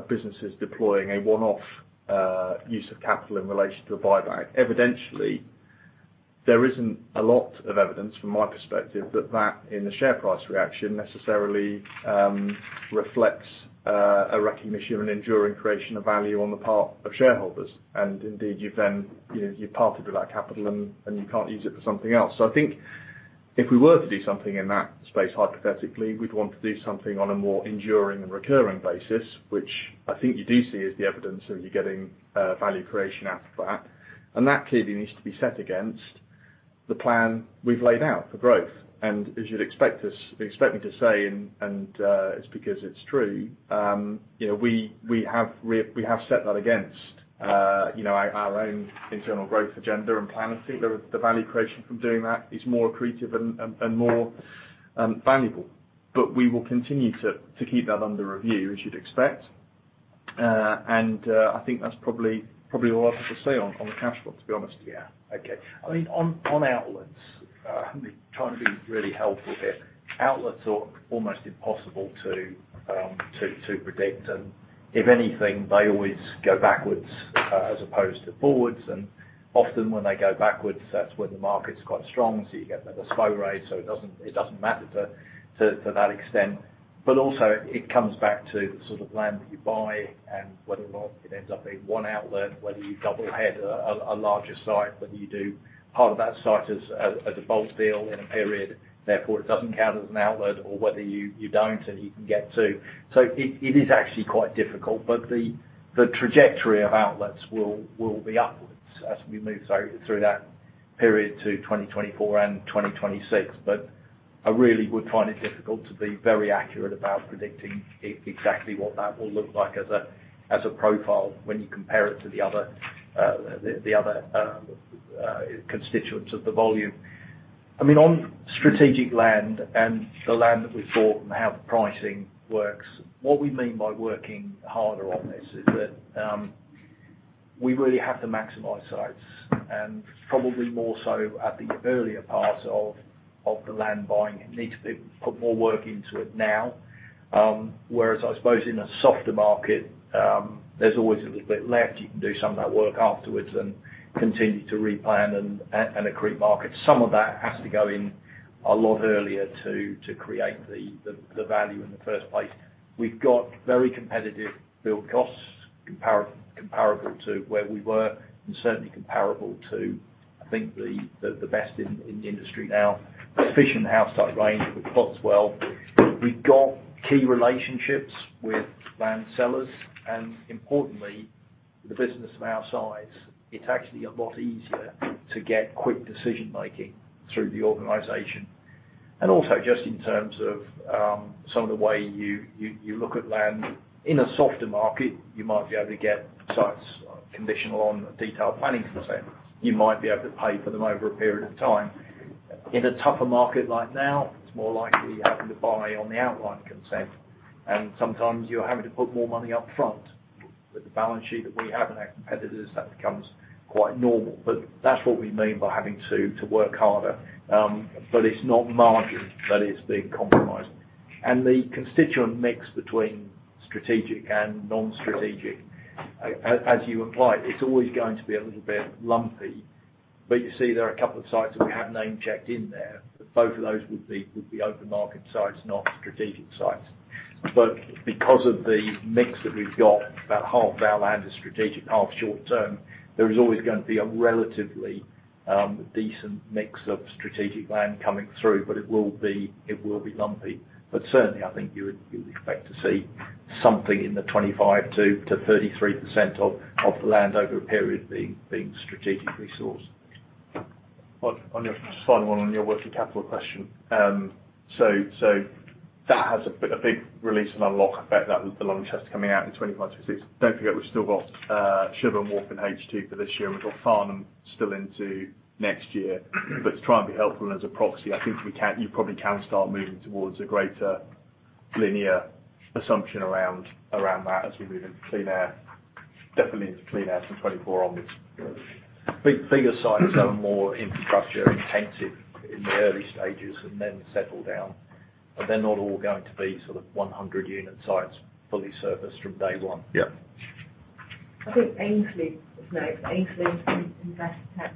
[SPEAKER 3] businesses deploying a one-off use of capital in relation to a buyback. Evidently, there isn't a lot of evidence from my perspective that in the share price reaction necessarily reflects a recognition of an enduring creation of value on the part of shareholders. Indeed, you've then, you know, you've parted with that capital and you can't use it for something else. I think if we were to do something in that space, hypothetically, we'd want to do something on a more enduring and recurring basis, which I think you do see as the evidence that you're getting value creation out of that. That clearly needs to be set against the plan we've laid out for growth. As you'd expect me to say, it's because it's true, you know, we have set that against, you know, our own internal growth agenda and plan. I think the value creation from doing that is more accretive and more valuable. We will continue to keep that under review, as you'd expect. I think that's probably all I have to say on the cash flow, to be honest.
[SPEAKER 2] Yeah. Okay. I mean, on outlets, trying to be really helpful here. Outlets are almost impossible to predict. If anything, they always go backwards as opposed to forwards. Often when they go backwards, that's when the market's quite strong, so you get a better SPO rate, so it doesn't matter to that extent. Also, it comes back to the sort of land that you buy and whether or not it ends up being one outlet, whether you double head a larger site, whether you do part of that site as a bulk deal in a period, therefore it doesn't count as an outlet, or whether you don't and you can get two. It is actually quite difficult, but the trajectory of outlets will be upwards as we move through that period to 2024 and 2026. I really would find it difficult to be very accurate about predicting exactly what that will look like as a profile when you compare it to the other constituents of the volume. I mean, on strategic land and the land that we've bought and how the pricing works, what we mean by working harder on this is that, we really have to maximize sites, and probably more so at the earlier parts of the land buying. It needs to be put more work into it now, whereas I suppose in a softer market, there's always a little bit left. You can do some of that work afterwards and continue to replan and accrete market. Some of that has to go in a lot earlier to create the value in the first place. We've got very competitive build costs comparable to where we were, and certainly comparable to. I think the best in the industry now. Sufficient house type range, which bodes well. We've got key relationships with land sellers, and importantly, the business of our size, it's actually a lot easier to get quick decision-making through the organization. Just in terms of some of the way you look at land, in a softer market, you might be able to get sites conditional on detailed planning consent. You might be able to pay for them over a period of time. In a tougher market like now, it's more likely you're having to buy on the outline consent, and sometimes you're having to put more money up front. With the balance sheet that we have and our competitors, that becomes quite normal. That's what we mean by having to work harder. It's not margin that is being compromised. The constituent mix between strategic and non-strategic, as you apply it's always going to be a little bit lumpy. You see there are a couple of sites that we have name-checked in there. Both of those would be open market sites, not strategic sites. Because of the mix that we've got, about half of our land is strategic, half short-term, there is always going to be a relatively decent mix of strategic land coming through, but it will be lumpy. Certainly, I think you would expect to see something in the 25%-33% of the land over a period being strategic resource.
[SPEAKER 3] Just final one on your working capital question. So that has a big release and unlock effect with the London Chest coming out in 25/26. Don't forget, we've still got Chigwell and Waltham H2 for this year, and we've got Farnham still into next year. To try and be helpful and as a proxy, I think you probably can start moving towards a greater linear assumption around that as we move into clean air, definitely into clean air from 2024 onwards.
[SPEAKER 2] Bigger sites that are more infrastructure-intensive in the early stages and then settle down, but they're not all going to be sort of 100-unit sites fully serviced from day one.
[SPEAKER 3] Yeah.
[SPEAKER 4] I think Aynsley is next. Aynsley from Investec.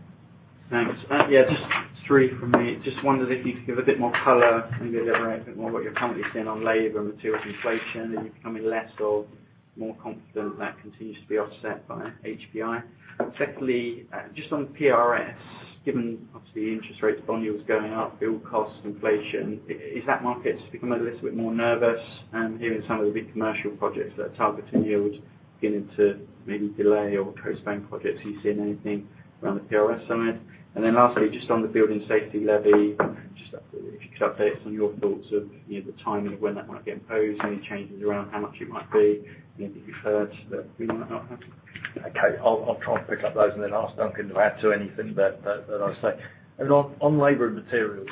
[SPEAKER 9] Thanks. Yeah, just three from me. Just wondered if you could give a bit more color and a little bit more what you're currently seeing on labor and materials inflation, and you're becoming less or more confident that continues to be offset by HPI. Secondly, just on PRS, given obviously interest rates, bond yields going up, fuel costs, inflation, is that market becoming a little bit more nervous and hearing some of the big commercial projects that are targeting yield beginning to maybe delay or postpone projects? Are you seeing anything around the PRS side? And then lastly, just on the Building Safety Levy, just if you could update us on your thoughts of, you know, the timing of when that might get imposed, any changes around how much it might be, anything you've heard that we might not have.
[SPEAKER 2] Okay. I'll try and pick up those and then ask Duncan to add to anything that I say. On labor and materials,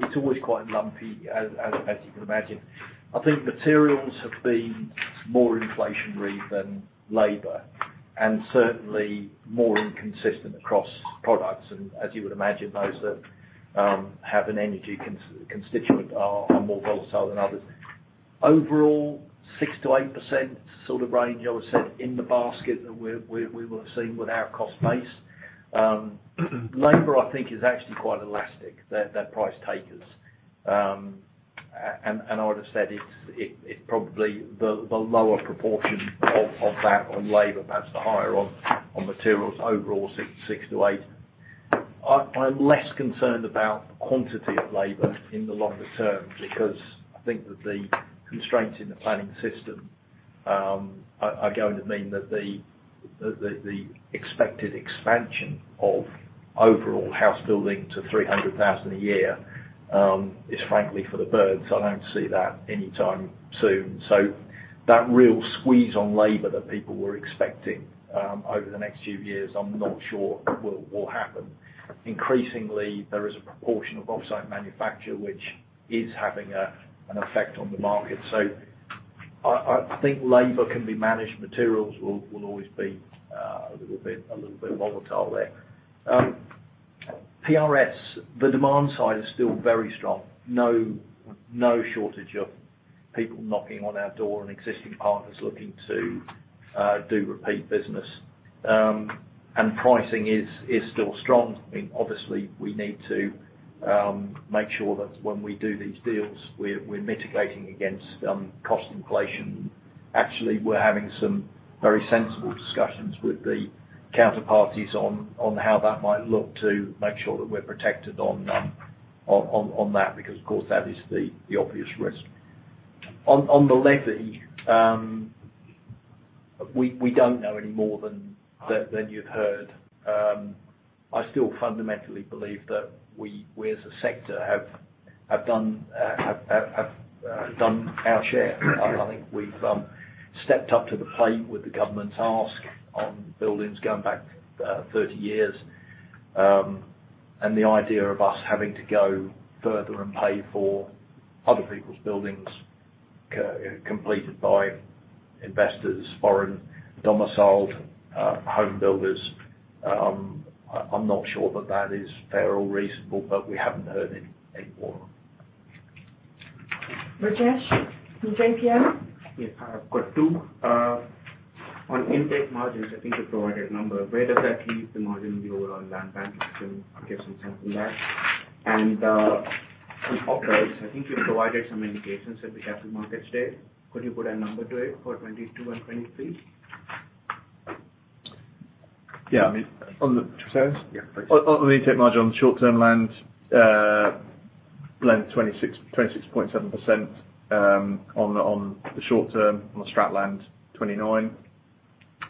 [SPEAKER 2] it's always quite lumpy as you can imagine. I think materials have been more inflationary than labor, and certainly more inconsistent across products. As you would imagine, those that have an energy constituent are more volatile than others. Overall, 6%-8% sort of range I would say in the basket that we will have seen with our cost base. Labor, I think, is actually quite elastic. They're price takers. I would've said it's probably the lower proportion of that on labor, perhaps the higher on materials overall, 6%-8%. I'm less concerned about the quantity of labor in the longer term because I think that the constraints in the planning system are going to mean that the expected expansion of overall house building to 300,000 a year is frankly for the birds. I don't see that anytime soon. That real squeeze on labor that people were expecting over the next few years, I'm not sure will happen. Increasingly, there is a proportion of offsite manufacture which is having an effect on the market. I think labor can be managed. Materials will always be a little bit volatile there. PRS, the demand side is still very strong. No shortage of people knocking on our door and existing partners looking to do repeat business. Pricing is still strong. I mean, obviously we need to make sure that when we do these deals, we're mitigating against cost inflation. Actually, we're having some very sensible discussions with the counterparties on how that might look to make sure that we're protected on that because of course, that is the obvious risk. On the levy, we don't know any more than you've heard. I still fundamentally believe that we as a sector have done our share. I think we've stepped up to the plate with the government's ask on buildings going back 30 years. The idea of us having to go further and pay for other people's buildings completed by investors, foreign-domiciled, home builders. I'm not sure that is fair or reasonable, but we haven't heard any more.
[SPEAKER 4] Rajesh from JPM.
[SPEAKER 10] Yeah. I've got two. On intake margins, I think you provided a number. Where does that leave the margin in the overall land bank? If you can give some sense on that. On OpEx, I think you provided some indications at the Capital Markets Day. Could you put a number to it for 2022 and 2023?
[SPEAKER 3] Yeah. I mean, sorry.
[SPEAKER 2] Yeah.
[SPEAKER 3] On the intake margin on short term land, blended 26.7% on the short term. On the strategic land, 29%.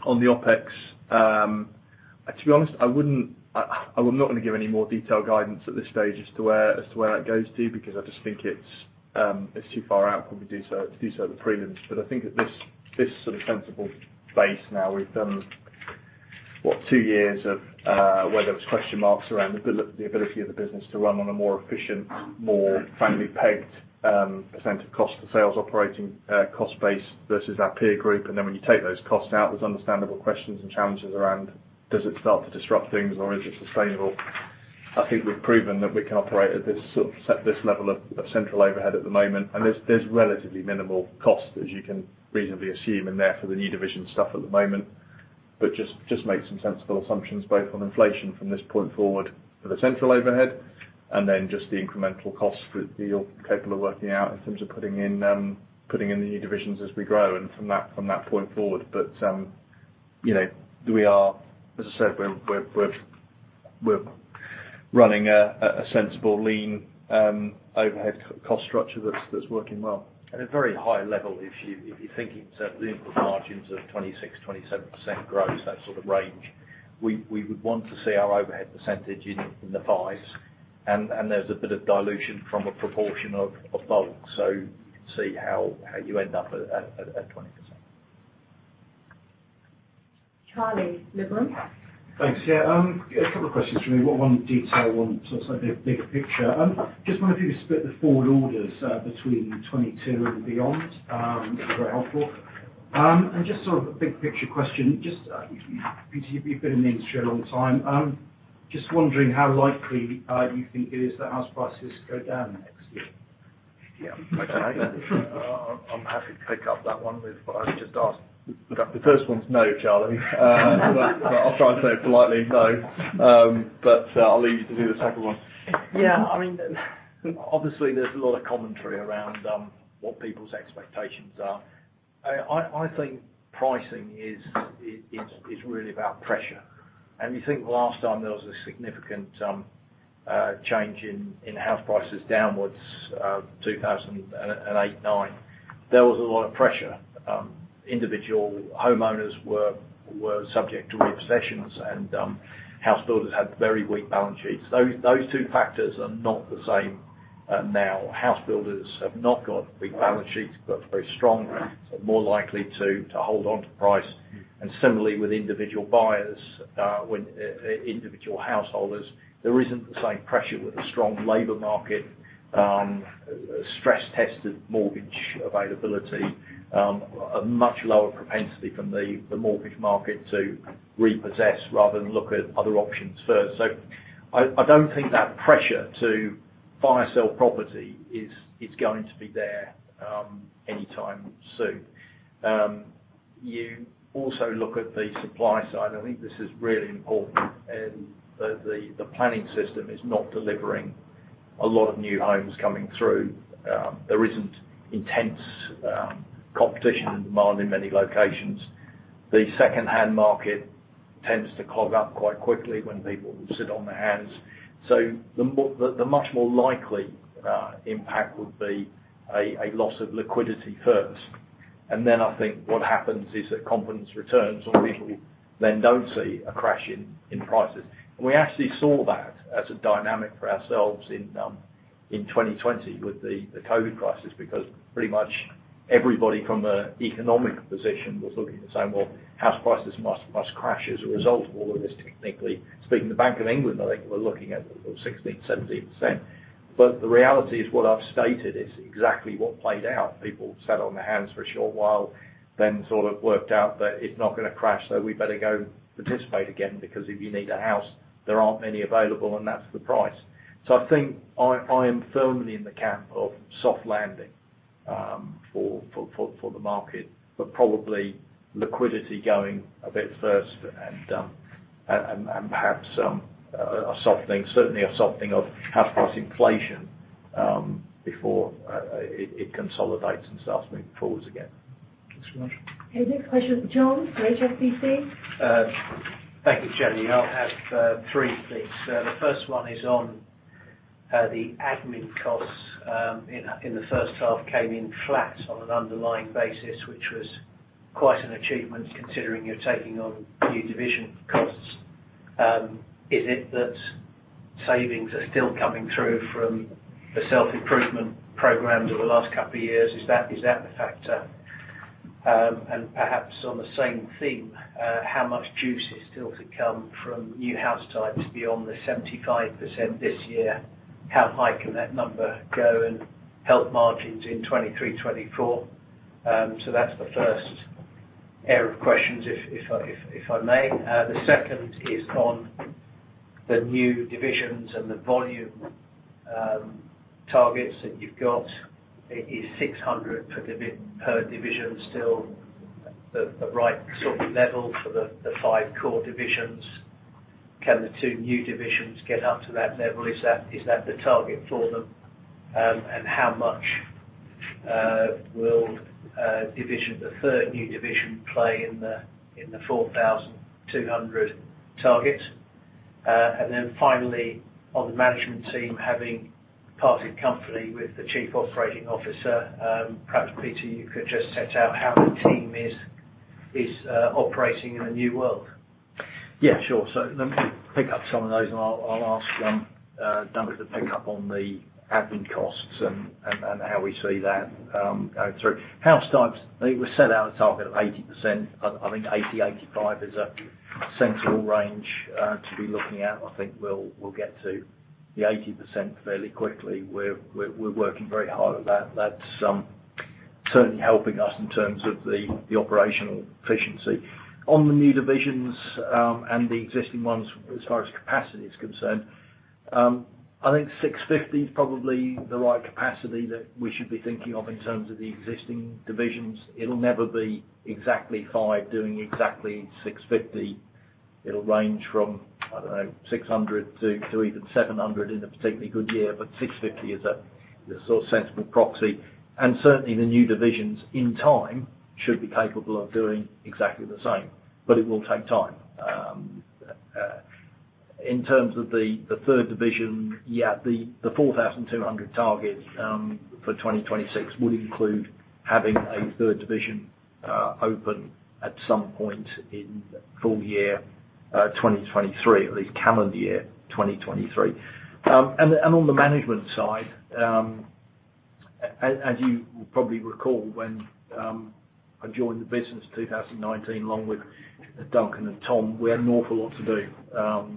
[SPEAKER 3] On the OpEx, to be honest, I will not wanna give any more detailed guidance at this stage as to where that goes to because I just think it's too far out, to do so at the prelims. But I think at this sort of sensible base now, we've done what? Two years of whether it's question marks around the ability of the business to run on a more efficient, more frankly pegged percent of cost for sales operating cost base versus our peer group. Then when you take those costs out, there's understandable questions and challenges around does it start to disrupt things or is it sustainable? I think we've proven that we can operate at this sort of set, this level of central overhead at the moment, and there's relatively minimal cost as you can reasonably assume and therefore the new division stuff at the moment. But just make some sensible assumptions both on inflation from this point forward for the central overhead, and then just the incremental cost that you're capable of working out in terms of putting in the new divisions as we grow and from that point forward. But you know, we are, as I said, we're running a sensible lean overhead cost structure that's working well.
[SPEAKER 2] At a very high level, if you're thinking certain input margins of 26%-27% gross, that sort of range, we would want to see our overhead percentage in the fives. There's a bit of dilution from a proportion of bulk. You can see how you end up at 20%.
[SPEAKER 4] Charlie Campbell.
[SPEAKER 11] Thanks. Yeah. A couple of questions from me. One detail, one sort of a big picture. Just wonder if you could split the forward orders between 2022 and beyond, that'd be very helpful. Just sort of a big picture question. You've been in the industry a long time. Just wondering how likely you think it is that house prices go down next year?
[SPEAKER 2] Yeah. I don't know. I'm happy to pick up that one with what I've just asked.
[SPEAKER 3] The first one's no, Charlie. I'll try and say it politely, no. I'll leave you to do the second one.
[SPEAKER 2] Yeah, I mean, obviously there's a lot of commentary around what people's expectations are. I think pricing is really about pressure. You think last time there was a significant change in house prices downwards, 2008-09, there was a lot of pressure. Individual homeowners were subject to repossessions and house builders had very weak balance sheets. Those two factors are not the same now. House builders have not got weak balance sheets, but very strong, so more likely to hold on to price. Similarly with individual buyers, when individual householders, there isn't the same pressure with the strong labor market, stress tested mortgage availability, a much lower propensity from the mortgage market to repossess rather than look at other options first. I don't think that pressure to buy or sell property is going to be there anytime soon. You also look at the supply side. I think this is really important, and the planning system is not delivering a lot of new homes coming through. There isn't intense competition and demand in many locations. The second-hand market tends to clog up quite quickly when people sit on their hands. The much more likely impact would be a loss of liquidity first. Then I think what happens is that confidence returns and people then don't see a crash in prices. We actually saw that as a dynamic for ourselves in 2020 with the COVID crisis because pretty much everybody from an economic position was looking and saying, "Well, house prices must crash as a result of all of this technically." Speaking of the Bank of England, I think they were looking at 16%-17%. The reality is what I've stated, it's exactly what played out. People sat on their hands for a short while, then sort of worked out that it's not gonna crash, so we better go participate again because if you need a house there aren't many available and that's the price. I think I am firmly in the camp of soft landing for the market. Probably liquidity going a bit first and perhaps a softening, certainly a softening of house price inflation, before it consolidates and starts moving forward again.
[SPEAKER 11] Thanks very much.
[SPEAKER 4] Okay. Next question, John from HSBC.
[SPEAKER 12] Thank you, Jenny. I'll ask three please. The first one is on the admin costs in the first half came in flat on an underlying basis, which was quite an achievement considering you're taking on new division costs. Is it that savings are still coming through from the self-improvement programs over the last couple of years? Is that the factor? Perhaps on the same theme, how much juice is still to come from new house types beyond the 75% this year? How high can that number go and help margins in 2023, 2024? That's the first area of questions if I may. The second is on the new divisions and the volume targets that you've got. Is 600 per division still the right sort of level for the five core divisions? Can the two new divisions get up to that level? Is that the target for them? How much will the third new division play in the 4,200 target? Finally, on the management team having parted company with the chief operating officer, perhaps, Peter, you could just set out how the team is operating in the new world.
[SPEAKER 2] Yeah, sure. Let me pick up some of those, and I'll ask Duncan to pick up on the admin costs and how we see that going through. House types, we set out a target of 80%. I think 80-85% is a sensible range to be looking at. I think we'll get to the 80% fairly quickly. We're working very hard at that. That's certainly helping us in terms of the operational efficiency. On the new divisions and the existing ones as far as capacity is concerned, I think 650 is probably the right capacity that we should be thinking of in terms of the existing divisions. It'll never be exactly 5 doing exactly 650. It'll range from, I don't know, 600 to even 700 in a particularly good year. 650 is a sort of sensible proxy. Certainly, the new divisions, in time, should be capable of doing exactly the same, but it will take time. In terms of the third division, yeah, the 4,200 targets for 2026 would include having a third division open at some point in full year 2023, at least calendar year 2023. On the management side, as you will probably recall when I joined the business in 2019, along with Duncan and Tom, we had an awful lot to do.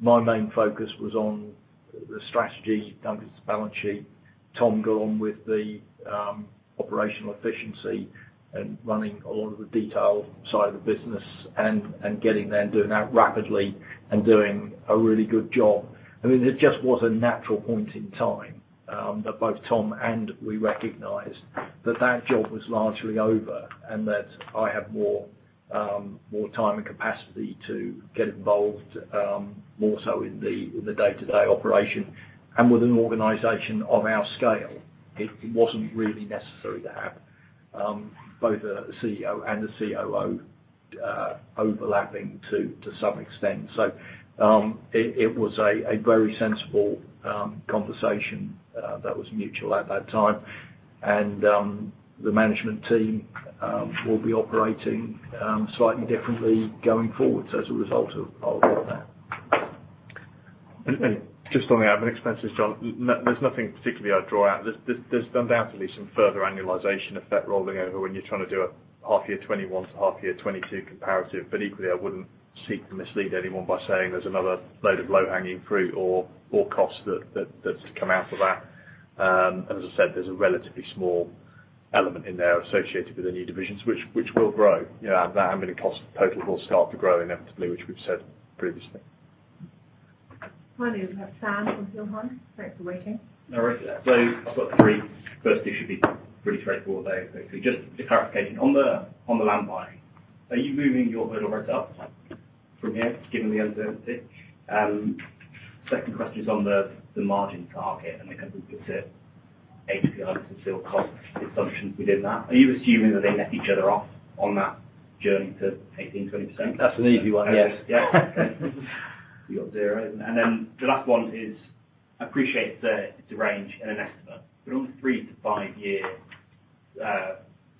[SPEAKER 2] My main focus was on the strategy, Duncan's balance sheet. Tom got on with the operational efficiency and running a lot of the detail side of the business and getting there and doing that rapidly and doing a really good job. I mean, it just was a natural point in time that both Tom and we recognized that that job was largely over, and that I have more time and capacity to get involved more so in the day-to-day operation. With an organization of our scale, it wasn't really necessary to have both a CEO and a COO overlapping to some extent. It was a very sensible conversation that was mutual at that time. The management team will be operating slightly differently going forward as a result of that.
[SPEAKER 3] Just on the admin expenses, John, nothing particularly I'd draw out. There's undoubtedly some further annualization effect rolling over when you're trying to do a half year 2021 to half year 2022 comparative. Equally, I wouldn't seek to mislead anyone by saying there's another load of low-hanging fruit or costs that come out of that. As I said, there's a relatively small element in there associated with the new divisions, which will grow. You know, the admin costs total will start to grow inevitably, which we've said previously.
[SPEAKER 4] Finally, we have Sam from Hillhouse. Thanks for waiting.
[SPEAKER 13] No worries. I've got three. First two should be pretty straightforward, though. Just a clarification. On the land buying, are you moving your hurdle rates up from here, given the uncertainty? Second question is on the margin target, and I guess it's the HPI and build cost assumptions within that. Are you assuming that they offset each other on that journey to 18%-20%?
[SPEAKER 2] That's an easy one, yes.
[SPEAKER 13] Yeah. Okay. Year zero. Then the last one is, I appreciate it's a range and an estimate, but on the three-five year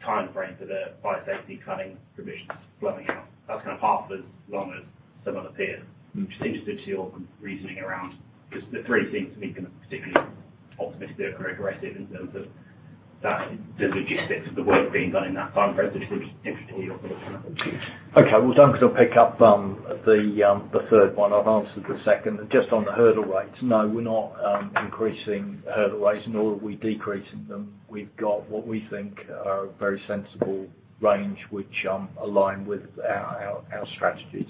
[SPEAKER 13] timeframe for the building safety funding provisions flowing out, that's kind of half as long as some other peers. Just interested in your reasoning around just the three things to me, kind of, particularly optimistic or aggressive in terms of that, the logistics of the work being done in that time frame. It's interesting your thoughts on that.
[SPEAKER 2] Okay. Well, Duncan will pick up the third one. I've answered the second. Just on the hurdle rates, no, we're not increasing hurdle rates, nor are we decreasing them. We've got what we think are a very sensible range which align with our strategy.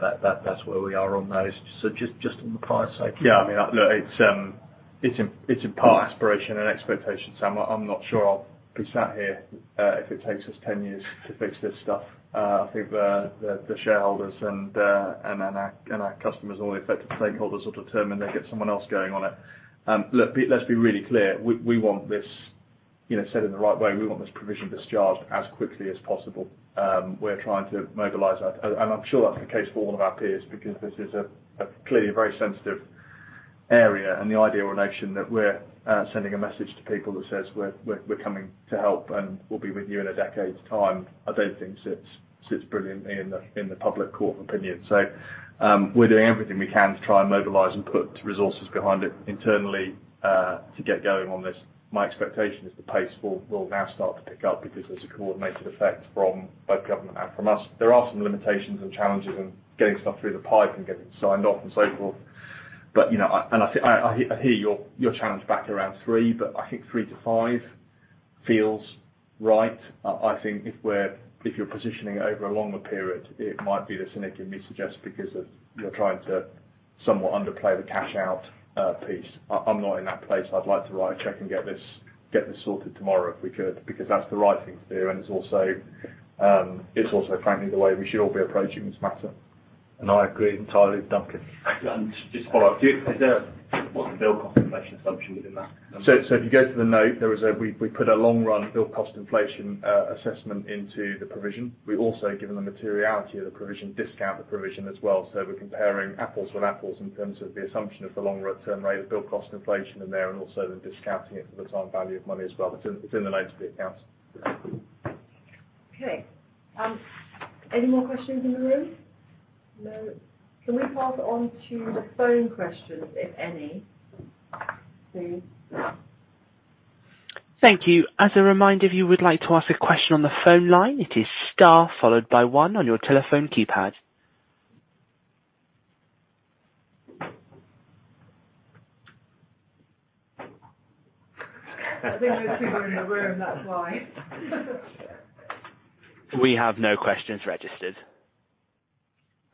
[SPEAKER 2] That's where we are on those. Just on the price stack.
[SPEAKER 3] I mean, look, it's in part aspiration and expectation. I'm not sure I'll be sat here if it takes us 10 years to fix this stuff. I think the shareholders and our customers and all the affected stakeholders will determine they get someone else going on it. Look, let's be really clear, we want this, you know, said in the right way. We want this provision discharged as quickly as possible. I'm sure that's the case for all of our peers, because this is clearly a very sensitive area. The idea or notion that we're sending a message to people that says, "We're coming to help, and we'll be with you in a decade's time," I don't think sits brilliantly in the court of public opinion. We're doing everything we can to try and mobilize and put resources behind it internally to get going on this. My expectation is the pace will now start to pick up because there's a coordinated effect from both government and from us. There are some limitations and challenges in getting stuff through the pipe and getting signed off and so forth. You know, I hear your challenge back around three, but I think three to five feels right. I think if you're positioning over a longer period, it might be the cynic in me suggests because you're trying to somewhat underplay the cash out piece. I'm not in that place. I'd like to write a check and get this sorted tomorrow if we could, because that's the right thing to do, and it's also frankly the way we should all be approaching this matter.
[SPEAKER 2] I agree entirely with Duncan.
[SPEAKER 13] What's the build cost inflation assumption within that?
[SPEAKER 3] If you go to the note, we put a long-run build cost inflation assessment into the provision. We also, given the materiality of the provision, discount the provision as well. We're comparing apples with apples in terms of the assumption of the long-run rate of build cost inflation in there, and also then discounting it for the time value of money as well. It's in the notes to the accounts.
[SPEAKER 4] Okay. Any more questions in the room? No. Can we pass on to the phone questions, if any, please?
[SPEAKER 1] Thank you. As a reminder, if you would like to ask a question on the phone line, it is star followed by one on your telephone keypad.
[SPEAKER 4] I think those people are in the room, that's why.
[SPEAKER 1] We have no questions registered.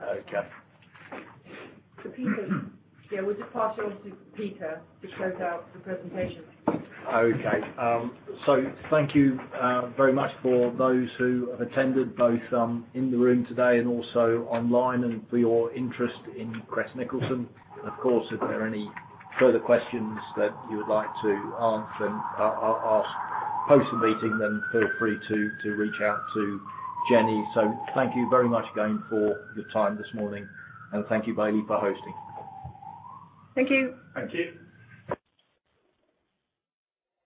[SPEAKER 2] Okay.
[SPEAKER 4] Peter. Yeah, we'll just pass you on to Peter to close out the presentation.
[SPEAKER 2] Okay. Thank you very much for those who have attended, both in the room today and also online and for your interest in Crest Nicholson. Of course, if there are any further questions that you would like to answer and ask post the meeting, then feel free to reach out to Jenny. Thank you very much again for your time this morning, and thank you, Bailey, for hosting.
[SPEAKER 4] Thank you.
[SPEAKER 3] Thank you.